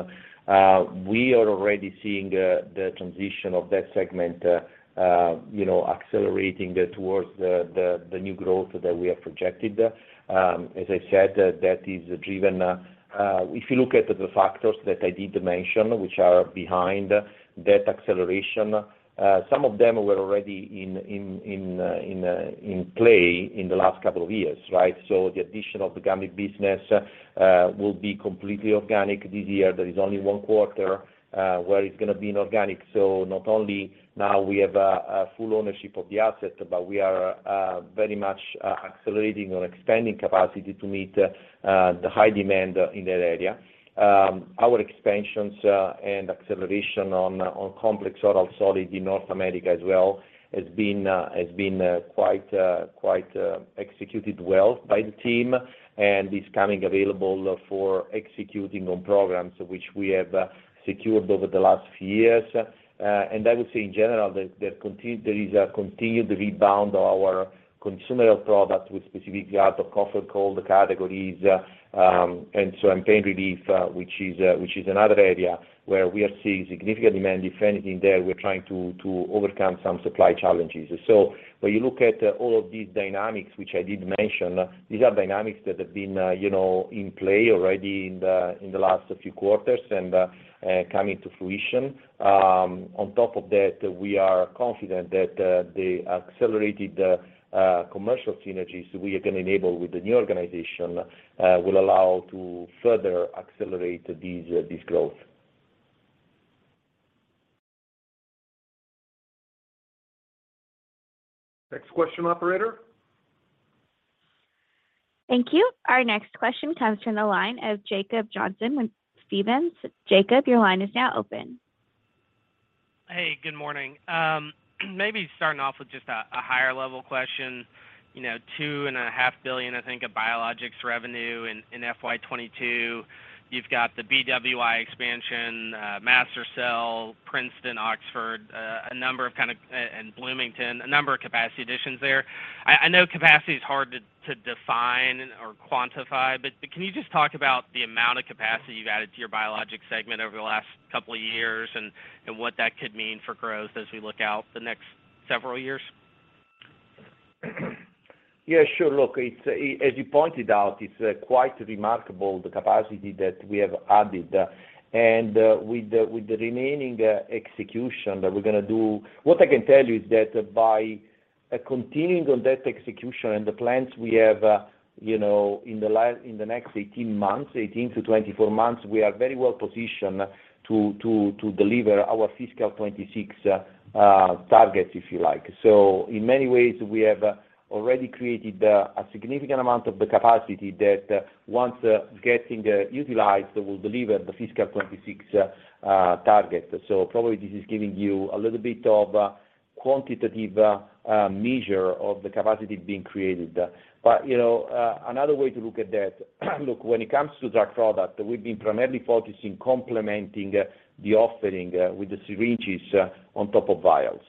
[SPEAKER 3] we are already seeing the transition of that segment, you know, accelerating towards the new growth that we have projected. As I said, that is driven, if you look at the factors that I did mention, which are behind that acceleration, some of them were already in play in the last couple of years, right? The addition of the gummy business will be completely organic this year. There is only one quarter where it's gonna be inorganic. Not only now we have a full ownership of the asset, but we are very much accelerating or expanding capacity to meet the high demand in that area. Our expansions and acceleration on complex oral solid in North America as well has been quite executed well by the team and is coming available for executing on programs which we have secured over the last few years. I would say in general that there is a continued rebound of our consumer products with specifically out of cough and cold categories, and pain relief, which is another area where we are seeing significant demand. If anything there, we're trying to overcome some supply challenges. When you look at all of these dynamics, which I did mention, these are dynamics that have been, you know, in play already in the last few quarters and coming to fruition. On top of that, we are confident that the accelerated commercial synergies we are gonna enable with the new organization will allow to further accelerate this growth.
[SPEAKER 2] Next question, operator.
[SPEAKER 1] Thank you. Our next question comes from the line of Jacob Johnson with Stephens. Jacob, your line is now open.
[SPEAKER 8] Hey, good morning. Maybe starting off with just a higher level question. You know, $2.5 billion, I think, of Biologics revenue in FY 2022. You've got the BWI expansion, MaSTherCell, Princeton, Oxford, and Bloomington, a number of capacity additions there. I know capacity is hard to define or quantify, but can you just talk about the amount of capacity you've added to your Biologics segment over the last couple of years and what that could mean for growth as we look out the next several years?
[SPEAKER 3] Yeah, sure. Look, it's, as you pointed out, it's quite remarkable the capacity that we have added. With the remaining execution that we're gonna do. What I can tell you is that by continuing on that execution and the plans we have, you know, in the next 18 months, 18-24 months, we are very well positioned to deliver our fiscal 2026 targets, if you like. In many ways, we have already created a significant amount of the capacity that once getting utilized will deliver the fiscal 2026 targets. Probably this is giving you a little bit of quantitative measure of the capacity being created. You know, another way to look at that. Look, when it comes to drug product, we've been primarily focusing on complementing the offering with the syringes on top of vials.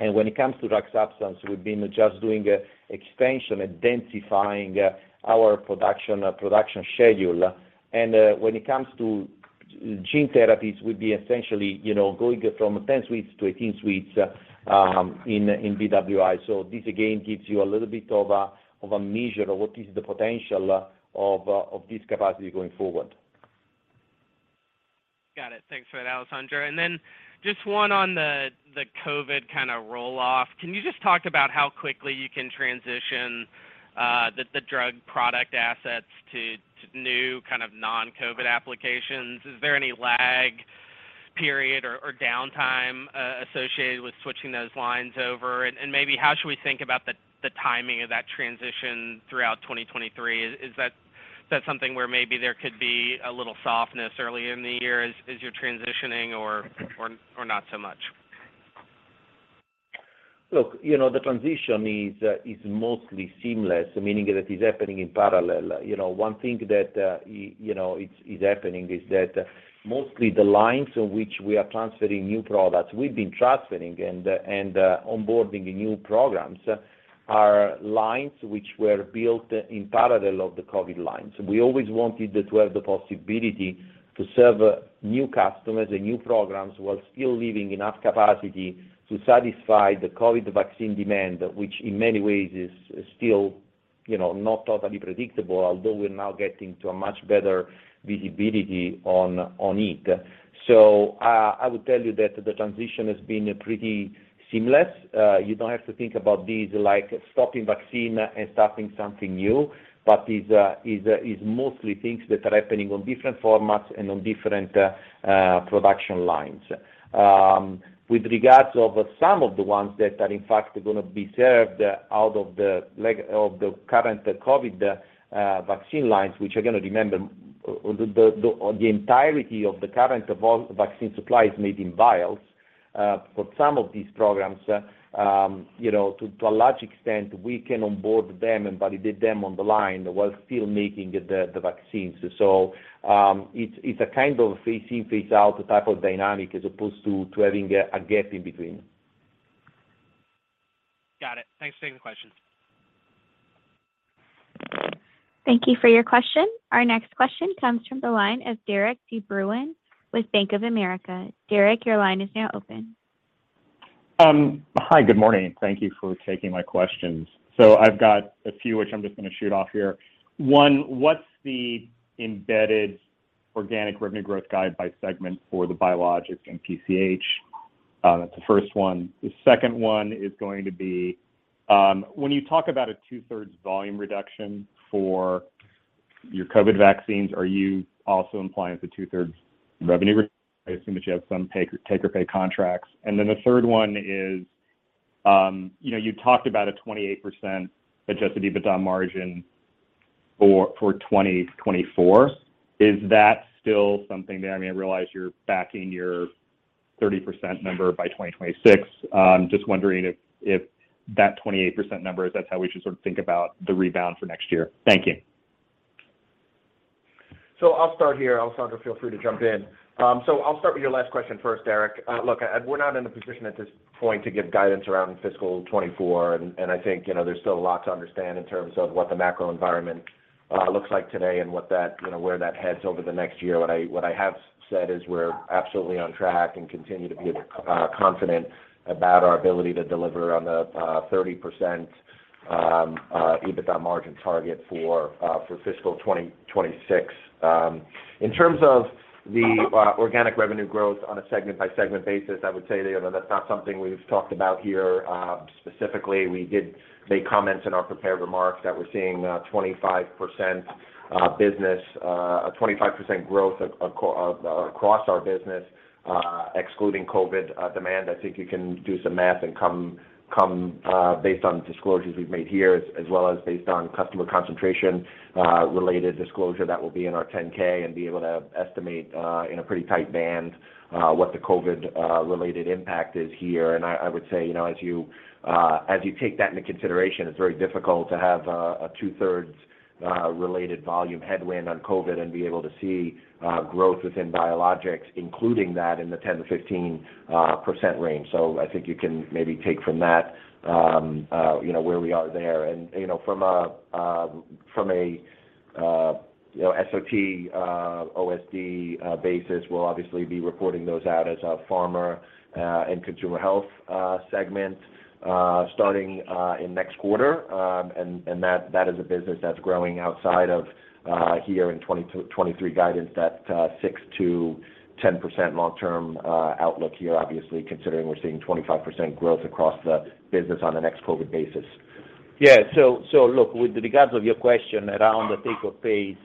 [SPEAKER 3] When it comes to drug substance, we've been just doing extension identifying our production schedule. When it comes to gene therapies, we'd be essentially, you know, going from 10 suites to 18 suites in BWI. This again gives you a little bit of a measure of what is the potential of this capacity going forward.
[SPEAKER 8] Got it. Thanks for that, Alessandro. Then just one on the COVID kind of roll-off. Can you just talk about how quickly you can transition the drug product assets to new kind of non-COVID applications? Is there any lag period or downtime associated with switching those lines over? Maybe how should we think about the timing of that transition throughout 2023? Is that something where maybe there could be a little softness early in the year as you're transitioning or not so much?
[SPEAKER 3] Look, you know, the transition is mostly seamless, meaning that is happening in parallel. You know, one thing that you know is happening is that mostly the lines on which we are transferring new products, we've been transferring and onboarding new programs, are lines which were built in parallel of the COVID lines. We always wanted to have the possibility to serve new customers and new programs while still leaving enough capacity to satisfy the COVID vaccine demand, which in many ways is still, you know, not totally predictable, although we're now getting to a much better visibility on it. I would tell you that the transition has been pretty seamless. You don't have to think about this like stopping vaccine and starting something new. Is mostly things that are happening on different formats and on different production lines. With regard to some of the ones that are in fact gonna be served out of the current COVID vaccine lines, which, again, remember, the entirety of the current vaccine supply is made in vials. For some of these programs, you know, to a large extent, we can onboard them and validate them on the line while still making the vaccines. It's a kind of phase in, phase out type of dynamic as opposed to having a gap in between.
[SPEAKER 8] Got it. Thanks for taking the question.
[SPEAKER 1] Thank you for your question. Our next question comes from the line of Derik De Bruin with Bank of America. Derik, your line is now open.
[SPEAKER 9] Hi, good morning. Thank you for taking my questions. I've got a few which I'm just gonna shoot off here. One, what's the embedded organic revenue growth guide by segment for the Biologics in PCH? That's the first one. The second one is going to be, when you talk about a 2/3 volume reduction for your COVID vaccines, are you also implying the 2/3 revenue reduction? I assume that you have some take or pay contracts. Then the third one is, you know, you talked about a 28% adjusted EBITDA margin for 2024. Is that still something there? I mean, I realize you're backing your 30% number by 2026. Just wondering if that 28% number, if that's how we should sort of think about the rebound for next year. Thank you.
[SPEAKER 4] I'll start here. Alessandro, feel free to jump in. I'll start with your last question first, Derik. Look, we're not in a position at this point to give guidance around fiscal 2024. I think, you know, there's still a lot to understand in terms of what the macro environment looks like today and what that, you know, where that heads over the next year. What I have said is we're absolutely on track and continue to be confident about our ability to deliver on the 30% EBITDA margin target for fiscal 2026. In terms of the organic revenue growth on a segment by segment basis, I would say that, you know, that's not something we've talked about here, specifically. We did make comments in our prepared remarks that we're seeing 25% growth across our business, excluding COVID demand. I think you can do some math and come based on disclosures we've made here, as well as based on customer concentration related disclosure that will be in our 10-K and be able to estimate in a pretty tight band what the COVID related impact is here. I would say, you know, as you take that into consideration, it's very difficult to have a 2/3 related volume headwind on COVID and be able to see growth within Biologics, including that in the 10%-15% range. I think you can maybe take from that, you know, where we are there. You know, from a SOT, OSD basis, we'll obviously be reporting those out as a Pharma and Consumer Health segment starting in next quarter. That is a business that's growing outside of our 2022, 2023 guidance that 6%-10% long-term outlook here, obviously, considering we're seeing 25% growth across the business on an ex-COVID basis.
[SPEAKER 3] Yeah. Look, with regard to your question around the take-or-pays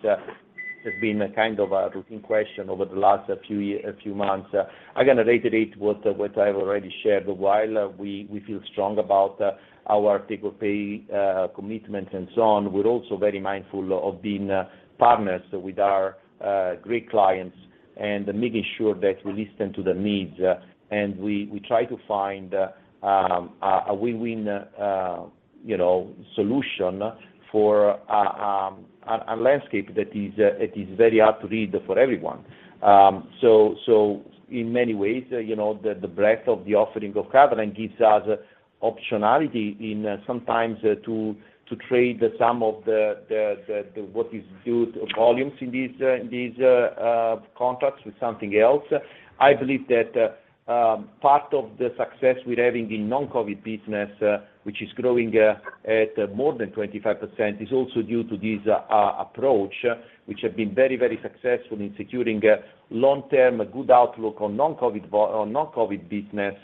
[SPEAKER 3] has been a kind of a routine question over the last few months. Again, I reiterate what I've already shared. While we feel strong about our take-or-pay commitment and so on, we're also very mindful of being partners with our great clients and making sure that we listen to their needs. We try to find a win-win, you know, solution for a landscape that is very hard to read for everyone. In many ways, you know, the breadth of the offering of Catalent gives us optionality in sometimes to trade some of the what is due to volumes in these contracts with something else. I believe that part of the success we're having in non-COVID business, which is growing at more than 25%, is also due to this approach, which have been very successful in securing a long-term good outlook on non-COVID business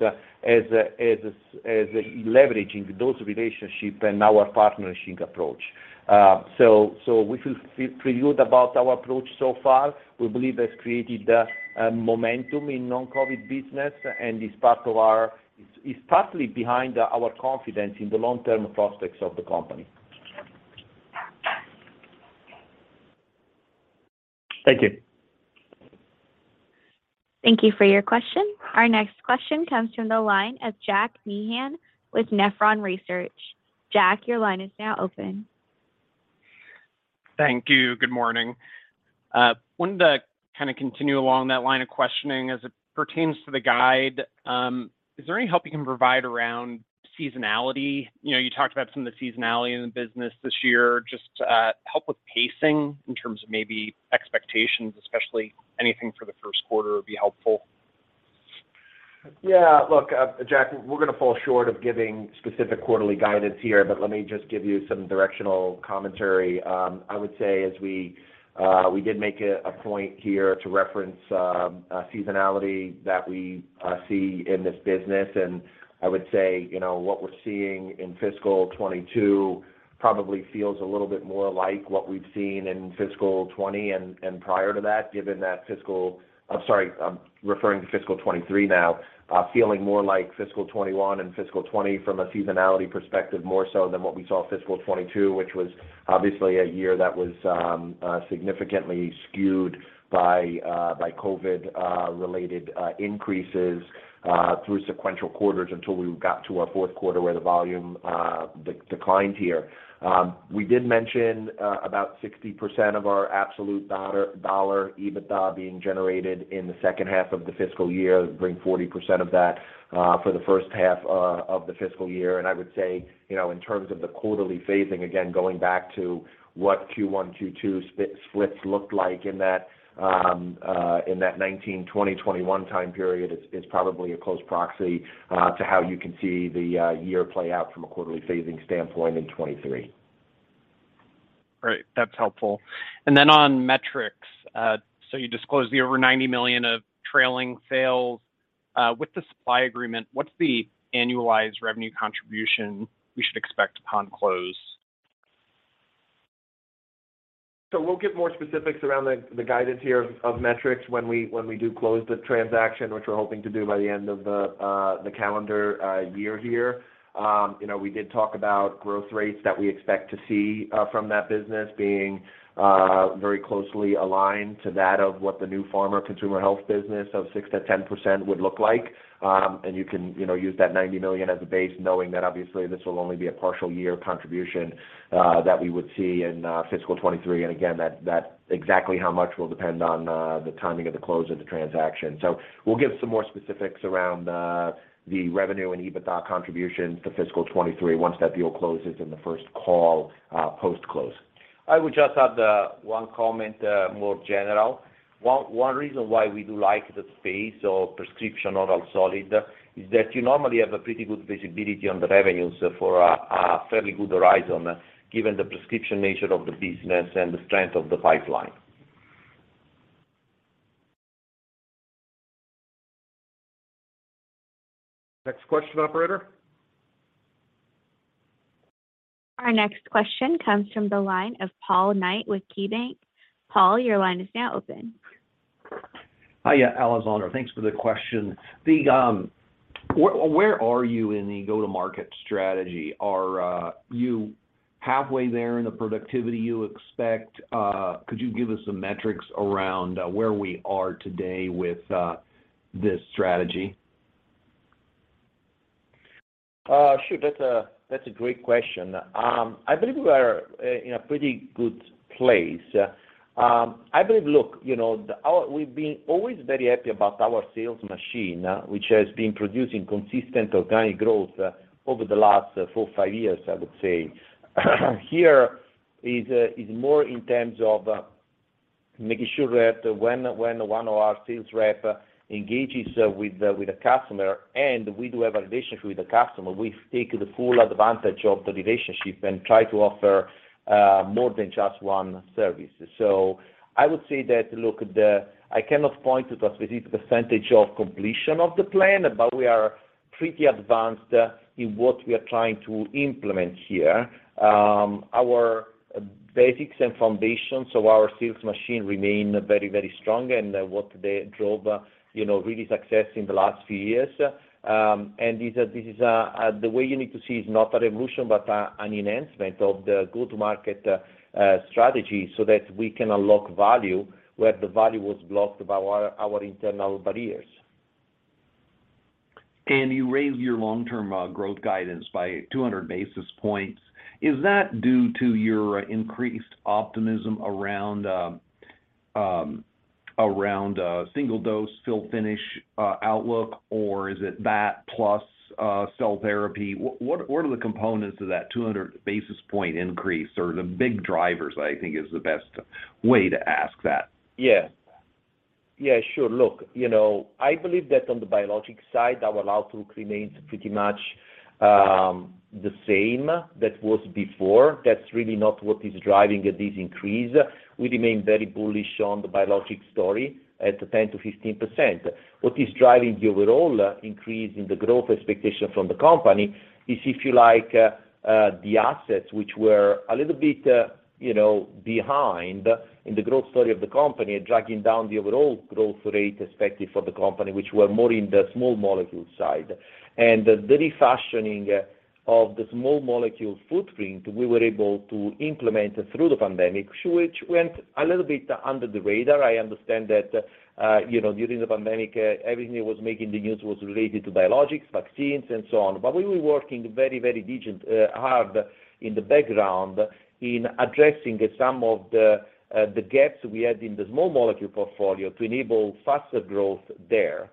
[SPEAKER 3] as leveraging those relationships and our partnership approach. We feel good about our approach so far. We believe it's created a momentum in non-COVID business and is partly behind our confidence in the long-term prospects of the company.
[SPEAKER 9] Thank you.
[SPEAKER 1] Thank you for your question. Our next question comes from the line of Jack Meehan with Nephron Research. Jack, your line is now open.
[SPEAKER 10] Thank you. Good morning. Wanted to kind of continue along that line of questioning as it pertains to the guide. Is there any help you can provide around seasonality? You know, you talked about some of the seasonality in the business this year. Just help with pacing in terms of maybe expectations, especially anything for the first quarter would be helpful.
[SPEAKER 4] Yeah. Look, Jack, we're gonna fall short of giving specific quarterly guidance here, but let me just give you some directional commentary. I would say as we did make a point here to reference seasonality that we see in this business. I would say, you know, what we're seeing in fiscal 2022 probably feels a little bit more like what we've seen in fiscal 2020 and prior to that, given that fiscal 2023 now feeling more like fiscal 2021 and fiscal 2020 from a seasonality perspective, more so than what we saw fiscal 2022, which was obviously a year that was significantly skewed by COVID related increases through sequential quarters until we got to our fourth quarter where the volume declined here. We did mention about 60% of our absolute dollar EBITDA being generated in the second half of the fiscal year, bring 40% of that for the first half of the fiscal year. I would say, you know, in terms of the quarterly phasing, again, going back to what Q1, Q2 splits looked like in that 2019-2020-2021 time period is probably a close proxy to how you can see the year play out from a quarterly phasing standpoint in 2023.
[SPEAKER 10] Great. That's helpful. On Metrics, you disclosed over $90 million of trailing sales. With the supply agreement, what's the annualized revenue contribution we should expect upon close?
[SPEAKER 4] We'll give more specifics around the guidance here of Metrics when we do close the transaction, which we're hoping to do by the end of the calendar year here. You know, we did talk about growth rates that we expect to see from that business being very closely aligned to that of what the new Pharma Consumer Health business of 6%-10% would look like. You know, you can use that $90 million as a base knowing that obviously this will only be a partial year contribution that we would see in fiscal 2023. Again, exactly how much will depend on the timing of the close of the transaction. We'll give some more specifics around the revenue and EBITDA contributions to fiscal 2023 once that deal closes in the first call post-close.
[SPEAKER 3] I would just add one comment, more general. One reason why we do like the space of prescription oral solid is that you normally have a pretty good visibility on the revenues for a fairly good horizon given the prescription nature of the business and the strength of the pipeline.
[SPEAKER 2] Next question, operator.
[SPEAKER 1] Our next question comes from the line of Paul Knight with KeyBanc. Paul, your line is now open.
[SPEAKER 11] Hi, Alessandro. Thanks for the question. Where are you in the go-to-market strategy? Are you halfway there in the productivity you expect? Could you give us some metrics around where we are today with this strategy?
[SPEAKER 3] Sure. That's a great question. I believe we are in a pretty good place. I believe, look, you know, our—we've been always very happy about our sales machine, which has been producing consistent organic growth over the last four, five years, I would say. Here is more in terms of making sure that when one of our sales rep engages with a customer, and we do have a relationship with the customer, we take the full advantage of the relationship and try to offer more than just one service. I would say that, look, the— I cannot point to a specific percentage of completion of the plan, but we are pretty advanced in what we are trying to implement here. Our basics and foundations of our sales machine remain very, very strong and what they drove, you know, real success in the last few years. This is the way you need to see is not a revolution, but an enhancement of the go-to-market strategy so that we can unlock value where the value was blocked by our internal barriers.
[SPEAKER 11] You raised your long-term growth guidance by 200 basis points. Is that due to your increased optimism around single dose fill finish outlook, or is it that plus cell therapy? What are the components of that 200 basis point increase or the big drivers, I think is the best way to ask that.
[SPEAKER 3] Yeah. Yeah, sure. Look, you know, I believe that on the biologic side, our outlook remains pretty much the same that was before. That's really not what is driving this increase. We remain very bullish on the biologic story at 10%-15%. What is driving the overall increase in the growth expectation from the company is, if you like, the assets which were a little bit, you know, behind in the growth story of the company, dragging down the overall growth rate expected for the company, which were more in the small molecule side. The refashioning of the small molecule footprint, we were able to implement through the pandemic, which went a little bit under the radar. I understand that, you know, during the pandemic, everything that was making the news was related to Biologics, vaccines, and so on. We were working very diligently hard in the background in addressing some of the gaps we had in the small molecule portfolio to enable faster growth there.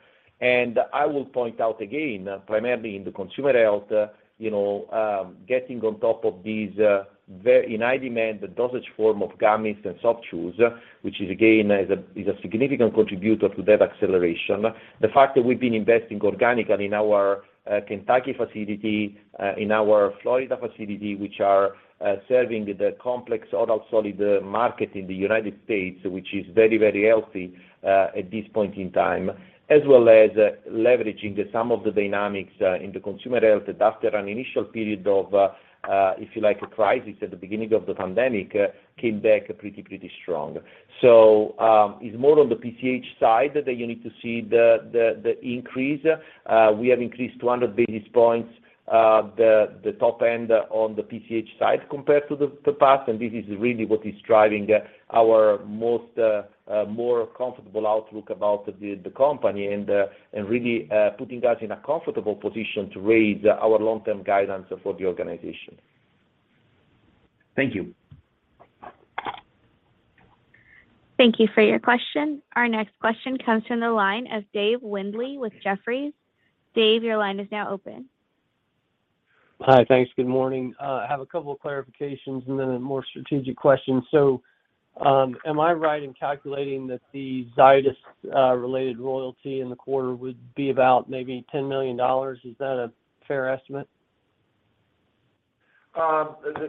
[SPEAKER 3] I will point out again, primarily in the Consumer Health, you know, getting on top of these very in high demand dosage form of gummies and soft chews, which is again a significant contributor to that acceleration. The fact that we've been investing organically in our Kentucky facility in our Florida facility, which are serving the complex oral solid market in the United States, which is very, very healthy at this point in time. As well as leveraging some of the dynamics in the Consumer Health after an initial period of, if you like, a crisis at the beginning of the pandemic came back pretty strong. It's more on the PCH side that you need to see the increase. We have increased 200 basis points the top end on the PCH side compared to the past, and this is really what is driving our more comfortable outlook about the company and really putting us in a comfortable position to raise our long-term guidance for the organization.
[SPEAKER 11] Thank you.
[SPEAKER 1] Thank you for your question. Our next question comes from the line of Dave Windley with Jefferies. Dave, your line is now open.
[SPEAKER 12] Hi. Thanks. Good morning. I have a couple of clarifications and then a more strategic question. Am I right in calculating that the Zydis related royalty in the quarter would be about maybe $10 million? Is that a fair estimate?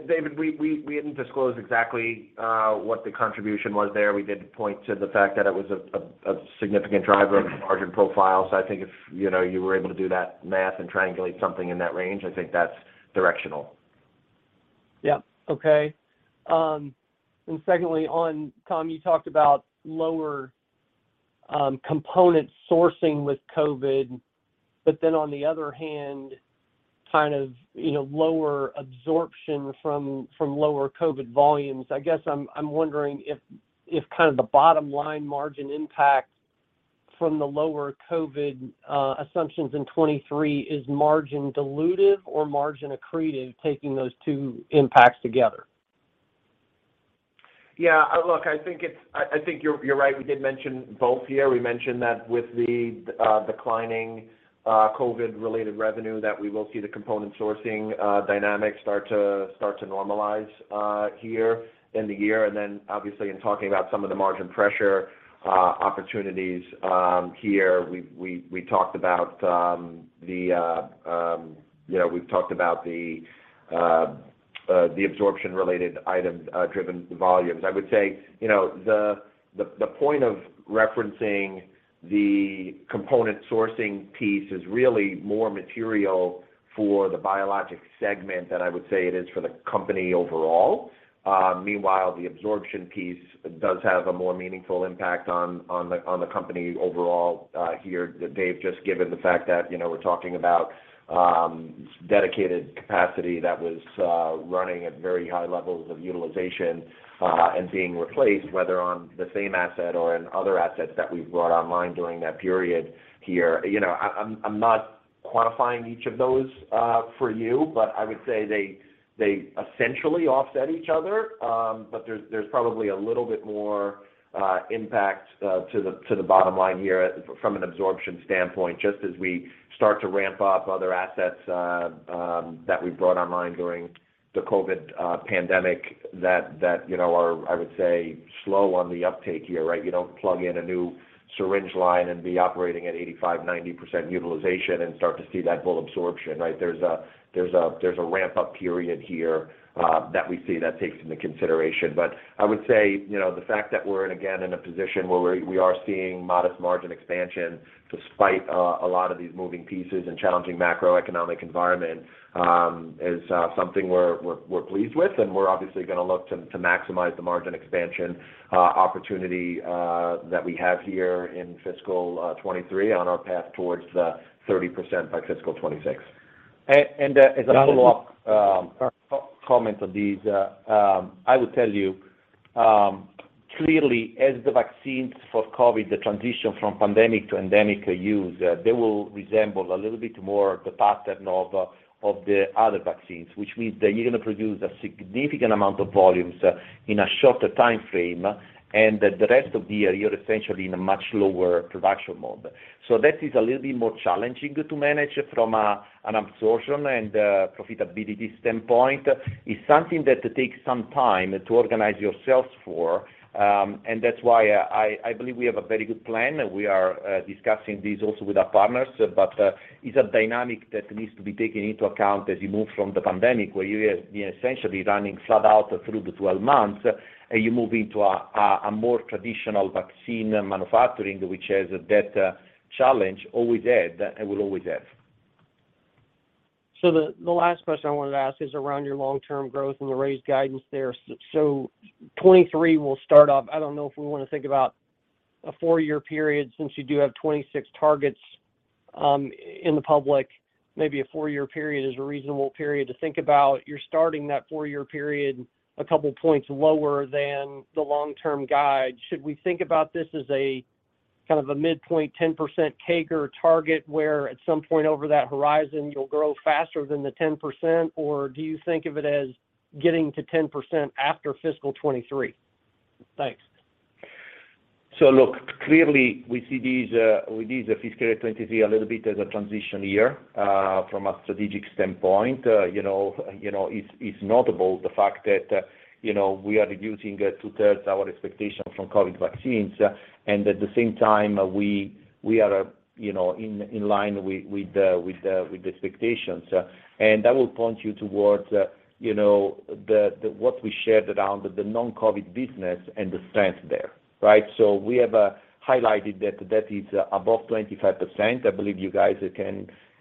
[SPEAKER 4] Dave, we didn't disclose exactly what the contribution was there. We did point to the fact that it was a significant driver of margin profile. I think if you know you were able to do that math and triangulate something in that range, I think that's directional.
[SPEAKER 12] Yeah. Okay. Secondly, on Tom, you talked about lower component sourcing with COVID, but then on the other hand, kind of, you know, lower absorption from lower COVID volumes. I guess I'm wondering if kind of the bottom-line margin impact from the lower COVID assumptions in 2023 is margin dilutive or margin accretive taking those two impacts together?
[SPEAKER 4] Yeah. Look, I think you're right. We did mention both here. We mentioned that with the declining COVID-related revenue that we will see the component sourcing dynamics start to normalize here in the year. Obviously in talking about some of the margin pressure opportunities here, we talked about, you know, the absorption-related items driven volumes. I would say, you know, the point of referencing the component sourcing piece is really more material for the biologic segment than I would say it is for the company overall. Meanwhile, the absorption piece does have a more meaningful impact on the company overall here, Dave, just given the fact that, you know, we're talking about dedicated capacity that was running at very high levels of utilization and being replaced, whether on the same asset or in other assets that we've brought online during that period here. You know, I'm not quantifying each of those for you, but I would say they essentially offset each other. There's probably a little bit more impact to the bottom line here from an absorption standpoint, just as we start to ramp up other assets that we brought online during the COVID pandemic. That you know are, I would say, slow on the uptake here, right? You don't plug in a new syringe line and be operating at 85%-90% utilization and start to see that full absorption, right? There's a ramp-up period here that we see that takes into consideration. I would say, you know, the fact that we're in again in a position where we are seeing modest margin expansion despite a lot of these moving pieces and challenging macroeconomic environment is something we're pleased with. We're obviously gonna look to maximize the margin expansion opportunity that we have here in fiscal 2023 on our path towards 30% by fiscal 2026.
[SPEAKER 3] As a follow-up comment on this, I would tell you clearly, as the vaccines for COVID, the transition from pandemic to endemic use, they will resemble a little bit more the pattern of the other vaccines, which means that you're gonna produce a significant amount of volumes in a shorter timeframe, and the rest of the year, you're essentially in a much lower production mode. That is a little bit more challenging to manage from an absorption and a profitability standpoint. It's something that takes some time to organize yourself for, and that's why I believe we have a very good plan. We are discussing this also with our partners, but it's a dynamic that needs to be taken into account as you move from the pandemic, where you have been essentially running flat out through the 12 months, and you move into a more traditional vaccine manufacturing, which has that challenge, always had, and will always have.
[SPEAKER 12] The last question I wanted to ask is around your long-term growth and the raised guidance there. 2023 will start off, I don't know if we wanna think about a four-year period since you do have 2026 targets in the public. Maybe a four-year period is a reasonable period to think about. You're starting that four-year period a couple points lower than the long-term guide. Should we think about this as a kind of a midpoint 10% CAGR target, where at some point over that horizon you'll grow faster than the 10%? Or do you think of it as getting to 10% after fiscal 2023? Thanks.
[SPEAKER 3] Look, clearly we see the fiscal 2023 a little bit as a transition year from a strategic standpoint. You know, it's notable the fact that, you know, we are reducing 2/3 our expectation from COVID vaccines and at the same time we are, you know, in line with the expectations. I will point you towards, you know, what we shared around the non-COVID business and the strength there, right? We have highlighted that is above 25%. I believe you guys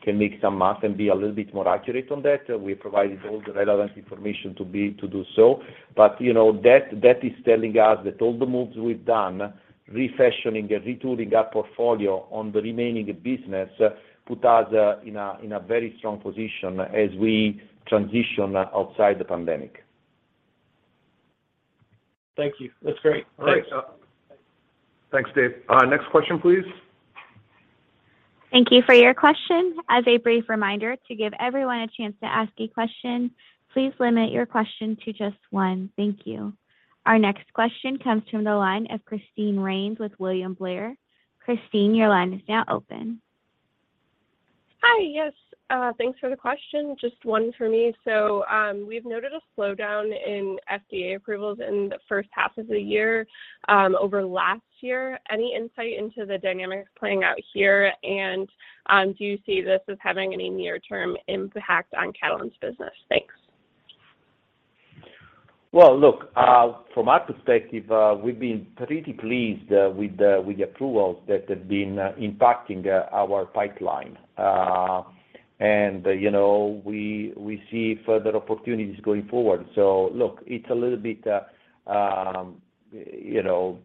[SPEAKER 3] can make some math and be a little bit more accurate on that. We provided all the relevant information to do so. You know, that is telling us that all the moves we've done refashioning and retooling our portfolio on the remaining business put us in a very strong position as we transition outside the pandemic.
[SPEAKER 12] Thank you. That's great.
[SPEAKER 2] All right. Thanks, Dave. Next question, please.
[SPEAKER 1] Thank you for your question. As a brief reminder, to give everyone a chance to ask a question, please limit your question to just one. Thank you. Our next question comes from the line of Christine Rains with William Blair. Christine, your line is now open.
[SPEAKER 13] Hi. Yes. Thanks for the question. Just one for me. We've noted a slowdown in FDA approvals in the first half of the year, over last year. Any insight into the dynamics playing out here? Do you see this as having any near-term impact on Catalent's business? Thanks.
[SPEAKER 3] Well, look, from our perspective, we've been pretty pleased with the approvals that have been impacting our pipeline. You know, we see further opportunities going forward. Look, it's a little bit, you know,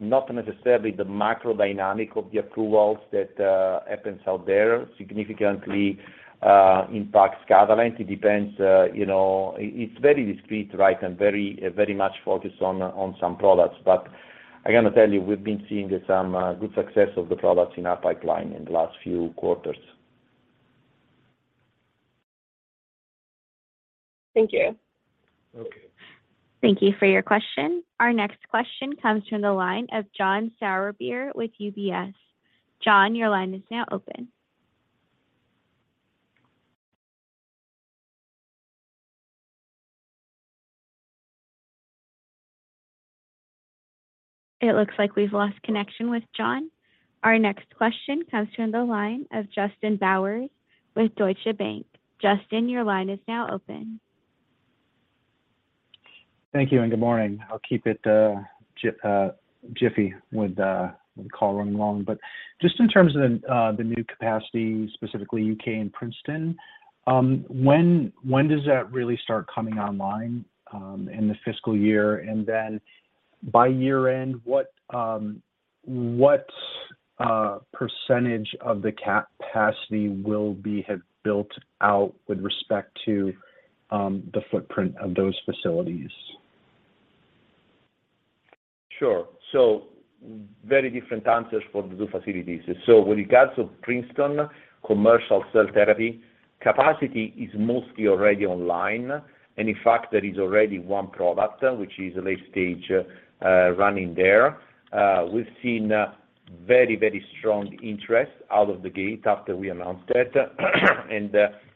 [SPEAKER 3] not necessarily the macro dynamic of the approvals that happens out there significantly impacts Catalent. It depends, you know. It's very discrete, right, and very much focused on some products. I gotta tell you, we've been seeing some good success of the products in our pipeline in the last few quarters.
[SPEAKER 13] Thank you.
[SPEAKER 3] Okay.
[SPEAKER 1] Thank you for your question. Our next question comes from the line of John Sourbeer with UBS. John, your line is now open. It looks like we've lost connection with John. Our next question comes from the line of Justin Bowers with Deutsche Bank. Justin, your line is now open.
[SPEAKER 14] Thank you, and good morning. I'll keep it in a jiffy with the call running long. Just in terms of the new capacity, specifically UK and Princeton, when does that really start coming online in the fiscal year? Then by year-end, what percentage of the capacity will have built out with respect to the footprint of those facilities?
[SPEAKER 3] Sure. Very different answers for the two facilities. With regards to Princeton commercial cell therapy, capacity is mostly already online. In fact, there is already one product, which is late stage, running there. We've seen very, very strong interest out of the gate after we announced it.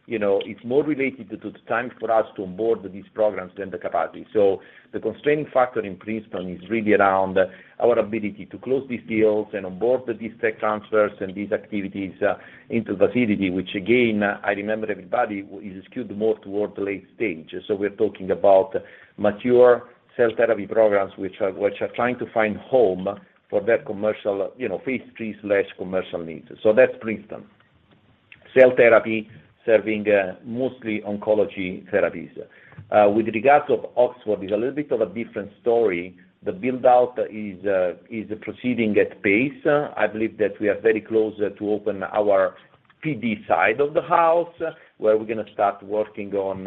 [SPEAKER 3] It's more related to the time for us to onboard these programs than the capacity. The constraining factor in Princeton is really around our ability to close these deals and onboard these tech transfers and these activities into facility, which again, I remember everybody is skewed more toward the late stage. We're talking about mature cell therapy programs, which are trying to find home for their commercial phase III/commercial needs. That's Princeton. Cell therapy serving mostly oncology therapies. With regard to Oxford, it's a little bit of a different story. The build-out is proceeding apace. I believe that we are very close to open our PD side of the house, where we're gonna start working on,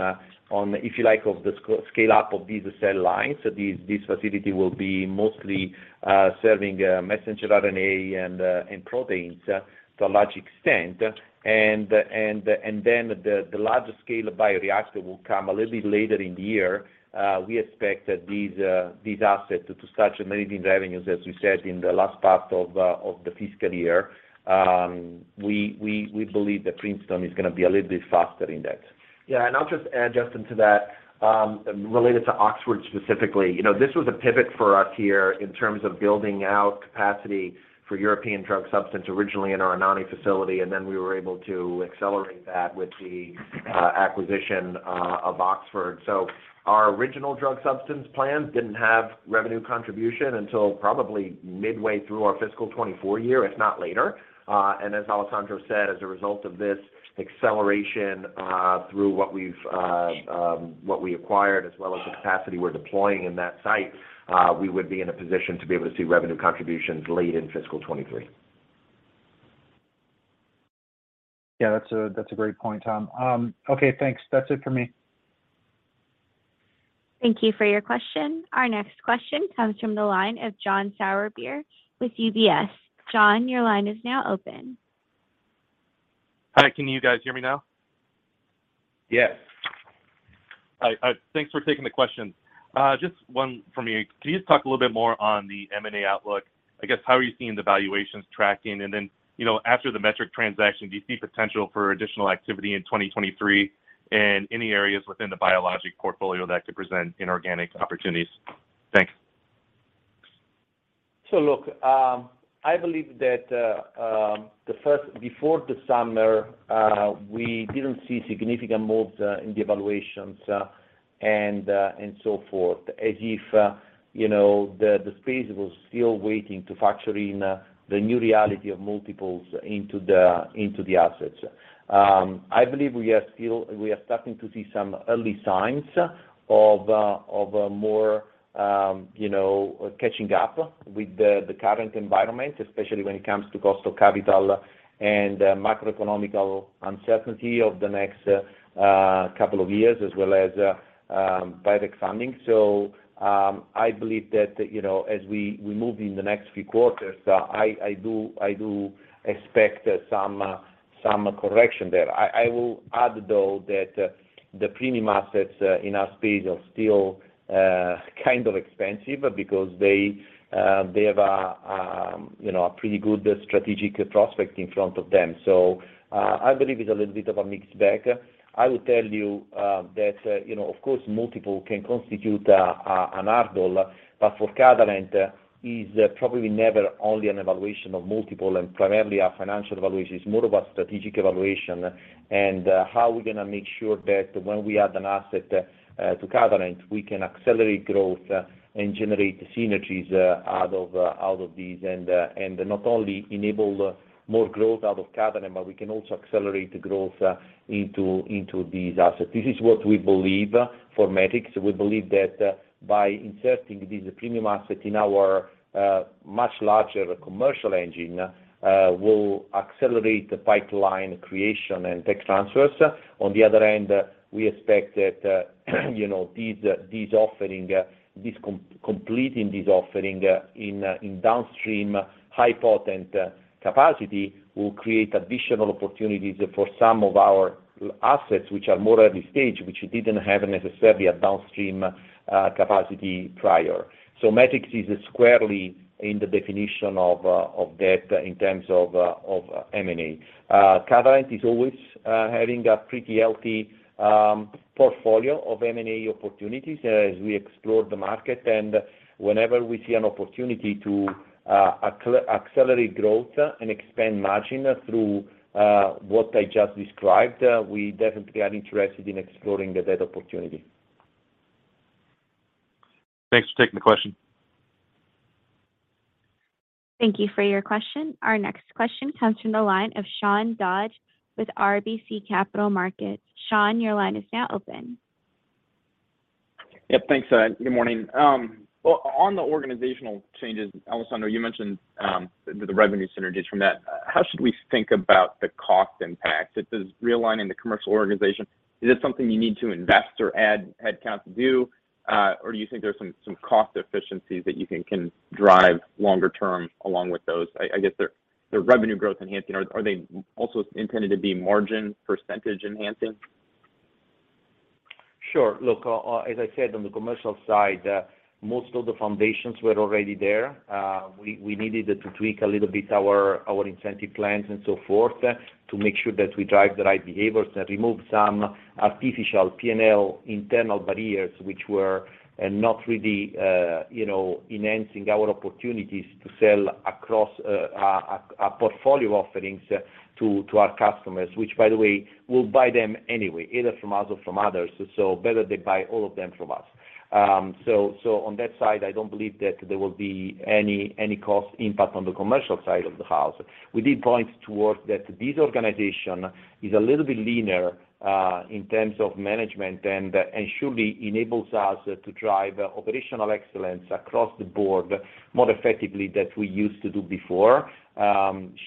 [SPEAKER 3] if you like, the scale-up of these cell lines. This facility will be mostly serving messenger RNA and proteins to a large extent. Then the larger scale bioreactor will come a little bit later in the year. We expect that these assets to start generating revenues, as we said, in the last part of the fiscal year. We believe that Princeton is gonna be a little bit faster in that.
[SPEAKER 4] Yeah. I'll just add, Justin, to that, related to Oxford specifically. You know, this was a pivot for us here in terms of building out capacity for European drug substance originally in our Anagni facility, and then we were able to accelerate that with the acquisition of Oxford. Our original drug substance plans didn't have revenue contribution until probably midway through our fiscal 2024 year, if not later. As Alessandro said, as a result of this acceleration through what we acquired as well as the capacity we're deploying in that site, we would be in a position to be able to see revenue contributions late in fiscal 2023.
[SPEAKER 14] Yeah, that's a great point, Tom. Okay, thanks. That's it for me.
[SPEAKER 1] Thank you for your question. Our next question comes from the line of John Sourbeer with UBS. John, your line is now open.
[SPEAKER 15] Hi. Can you guys hear me now?
[SPEAKER 3] Yes.
[SPEAKER 15] All right. Thanks for taking the questions. Just one for me. Can you just talk a little bit more on the M&A outlook? I guess, how are you seeing the valuations tracking? And then, you know, after the Metrics transaction, do you see potential for additional activity in 2023 and any areas within the biologic portfolio that could present inorganic opportunities? Thanks.
[SPEAKER 3] Look, I believe that before the summer we didn't see significant moves in the evaluations and so forth, as if you know the space was still waiting to factor in the new reality of multiples into the assets. I believe we are starting to see some early signs of a more you know catching up with the current environment, especially when it comes to cost of capital and macroeconomic uncertainty over the next couple of years, as well as private funding. I believe that you know as we move in the next few quarters I do expect some correction there. I will add, though, that the premium assets in our space are still kind of expensive because they have a, you know, a pretty good strategic prospects in front of them. I believe it's a little bit of a mixed bag. I will tell you that, you know, of course, multiples can constitute a hurdle, but for Catalent, it's probably never only a valuation of multiples, and primarily our valuation is more of a strategic valuation, and how we're gonna make sure that when we add an asset to Catalent, we can accelerate growth and generate synergies out of these, and not only enable more growth out of Catalent, but we can also accelerate the growth into these assets. This is what we believe for Metrics. We believe that by inserting this premium asset in our much larger commercial engine, we'll accelerate the pipeline creation and tech transfers. On the other hand, we expect that you know these offerings completing this offering in downstream high potent capacity will create additional opportunities for some of our assets, which are more early stage, which didn't have necessarily a downstream capacity prior. Metrics is squarely in the definition of that in terms of M&A. Catalent is always having a pretty healthy portfolio of M&A opportunities as we explore the market. Whenever we see an opportunity to accelerate growth and expand margin through what I just described, we definitely are interested in exploring that opportunity.
[SPEAKER 15] Thanks for taking the question.
[SPEAKER 1] Thank you for your question. Our next question comes from the line of Sean Dodge with RBC Capital Markets. Sean, your line is now open.
[SPEAKER 16] Yeah. Thanks. Good morning. Well, on the organizational changes, Alessandro, you mentioned the revenue synergies from that. How should we think about the cost impact? If there's realigning the commercial organization, is it something you need to invest or add headcount to do? Or do you think there's some cost efficiencies that you think can drive longer term along with those? I guess they're revenue growth enhancing. Are they also intended to be margin percentage enhancing?
[SPEAKER 3] Sure. Look, as I said, on the commercial side, most of the foundations were already there. We needed to tweak a little bit our incentive plans and so forth to make sure that we drive the right behaviors and remove some artificial P&L internal barriers which were not really, you know, enhancing our opportunities to sell across our portfolio offerings to our customers, which by the way, will buy them anyway, either from us or from others, so better they buy all of them from us. On that side, I don't believe that there will be any cost impact on the commercial side of the house. We did point towards that this organization is a little bit leaner, in terms of management and surely enables us to drive operational excellence across the board more effectively that we used to do before,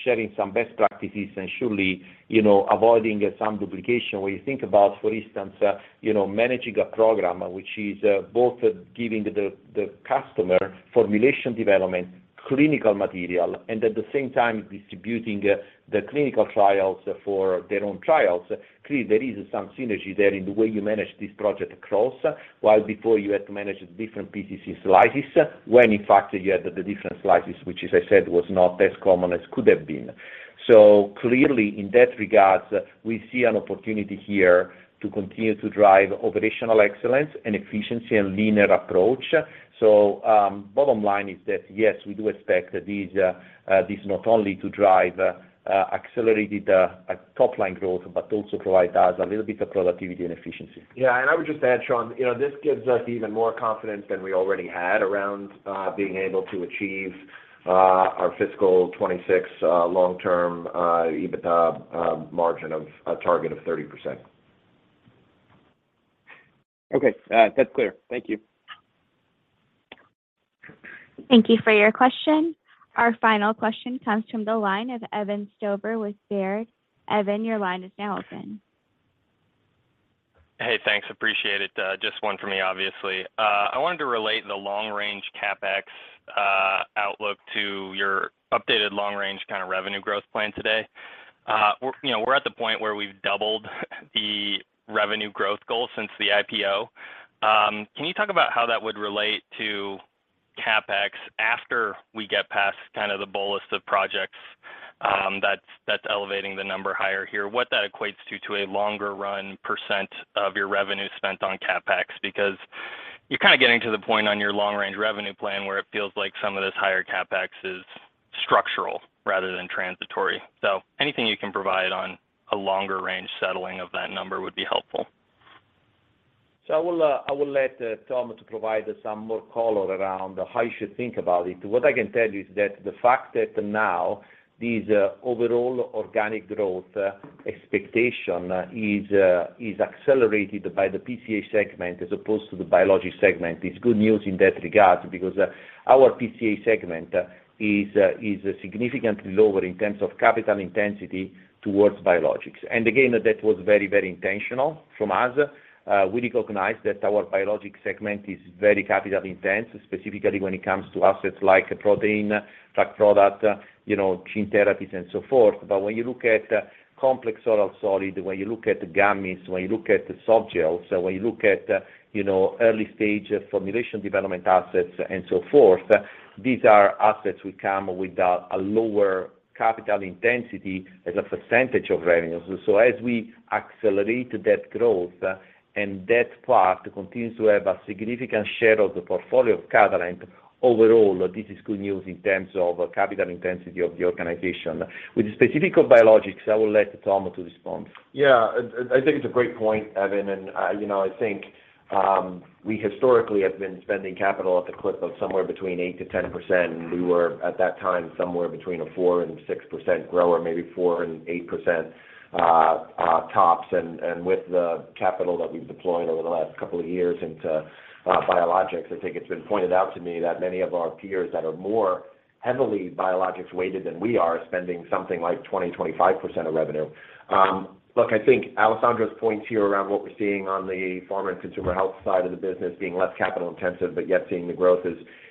[SPEAKER 3] sharing some best practices and surely, you know, avoiding some duplication. When you think about, for instance, you know, managing a program which is both giving the customer formulation development, clinical material, and at the same time distributing the clinical trials for their own trials. Clearly, there is some synergy there in the way you manage this project across, while before you had to manage different PCC slices when in fact you had the different slices, which as I said, was not as common as could have been. Clearly in that regard, we see an opportunity here to continue to drive operational excellence and efficiency and leaner approach. Bottom line is that, yes, we do expect this not only to drive accelerated top-line growth, but also provide us a little bit of productivity and efficiency.
[SPEAKER 4] Yeah. I would just add, Sean, you know, this gives us even more confidence than we already had around being able to achieve our fiscal 2026 long-term EBITDA margin target of 30%.
[SPEAKER 16] Okay. That's clear. Thank you.
[SPEAKER 1] Thank you for your question. Our final question comes from the line of Evan Stover with Baird. Evan, your line is now open.
[SPEAKER 17] Hey, thanks. Appreciate it. Just one for me, obviously. I wanted to relate the long-range CapEx outlook to your updated long-range kind of revenue growth plan today. We're, you know, at the point where we've doubled the revenue growth goal since the IPO. Can you talk about how that would relate to CapEx after we get past kind of the bolus of projects that's elevating the number higher here? What that equates to a longer run percent of your revenue spent on CapEx because you're kinda getting to the point on your long range revenue plan where it feels like some of this higher CapEx is structural rather than transitory. Anything you can provide on a longer range settling of that number would be helpful.
[SPEAKER 3] I will let Tom provide some more color around how you should think about it. What I can tell you is that the fact that now this overall organic growth expectation is accelerated by the PCH segment as opposed to the Biologics segment is good news in that regard because our PCH segment is significantly lower in terms of capital intensity towards Biologics. Again, that was very, very intentional from us. We recognize that our Biologics segment is very capital-intensive, specifically when it comes to assets like protein, drug product, you know, gene therapies, and so forth. When you look at complex oral solid, when you look at gummies, when you look at the softgels, when you look at, you know, early-stage formulation development assets and so forth, these are assets which come with a lower capital intensity as a percentage of revenues. So as we accelerate that growth and that part continues to have a significant share of the portfolio of Catalent, overall, this is good news in terms of capital intensity of the organization. With the specifics of Biologics, I will let Tom to respond.
[SPEAKER 4] Yeah. I think it's a great point, Evan. You know, I think we historically have been spending capital at the clip of somewhere between 8%-10%. We were, at that time, somewhere between a 4%-6% grower, maybe 4%-8%, tops. With the capital that we've deployed over the last couple of years into Biologics, I think it's been pointed out to me that many of our peers that are more heavily Biologics-weighted than we are are spending something like 20-25% of revenue. Look, I think Alessandro's points here around what we're seeing on the Pharma and Consumer Health side of the business being less capital-intensive, but yet seeing the growth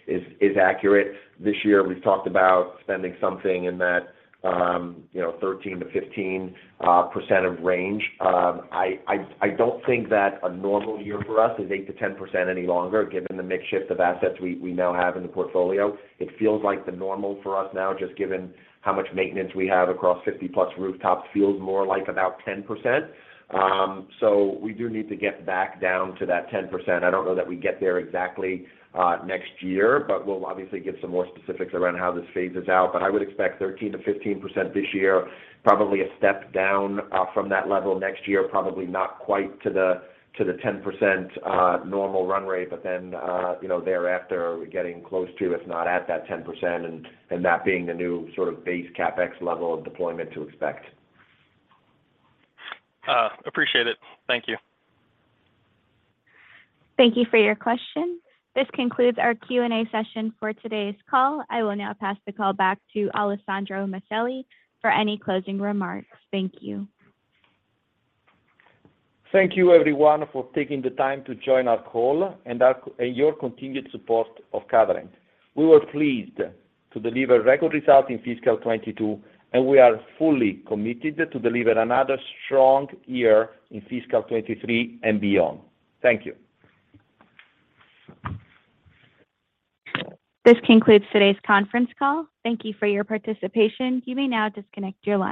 [SPEAKER 4] is accurate. This year, we've talked about spending something in that, you know, 13%-15% range. I don't think that a normal year for us is 8%-10% any longer, given the mix shift of assets we now have in the portfolio. It feels like the normal for us now, just given how much maintenance we have across 50+ rooftops, feels more like about 10%. So we do need to get back down to that 10%. I don't know that we get there exactly next year, but we'll obviously give some more specifics around how this phases out. I would expect 13%-15% this year, probably a step down from that level next year, probably not quite to the 10% normal run rate. You know, thereafter, we're getting close to, if not at that 10% and that being the new sort of base CapEx level of deployment to expect.
[SPEAKER 17] Appreciate it. Thank you.
[SPEAKER 1] Thank you for your question. This concludes our Q&A session for today's call. I will now pass the call back to Alessandro Maselli for any closing remarks. Thank you.
[SPEAKER 3] Thank you everyone for taking the time to join our call and your continued support of Catalent. We were pleased to deliver record results in fiscal 2022, and we are fully committed to deliver another strong year in fiscal 2023 and beyond. Thank you.
[SPEAKER 1] This concludes today's conference call. Thank you for your participation. You may now disconnect your line.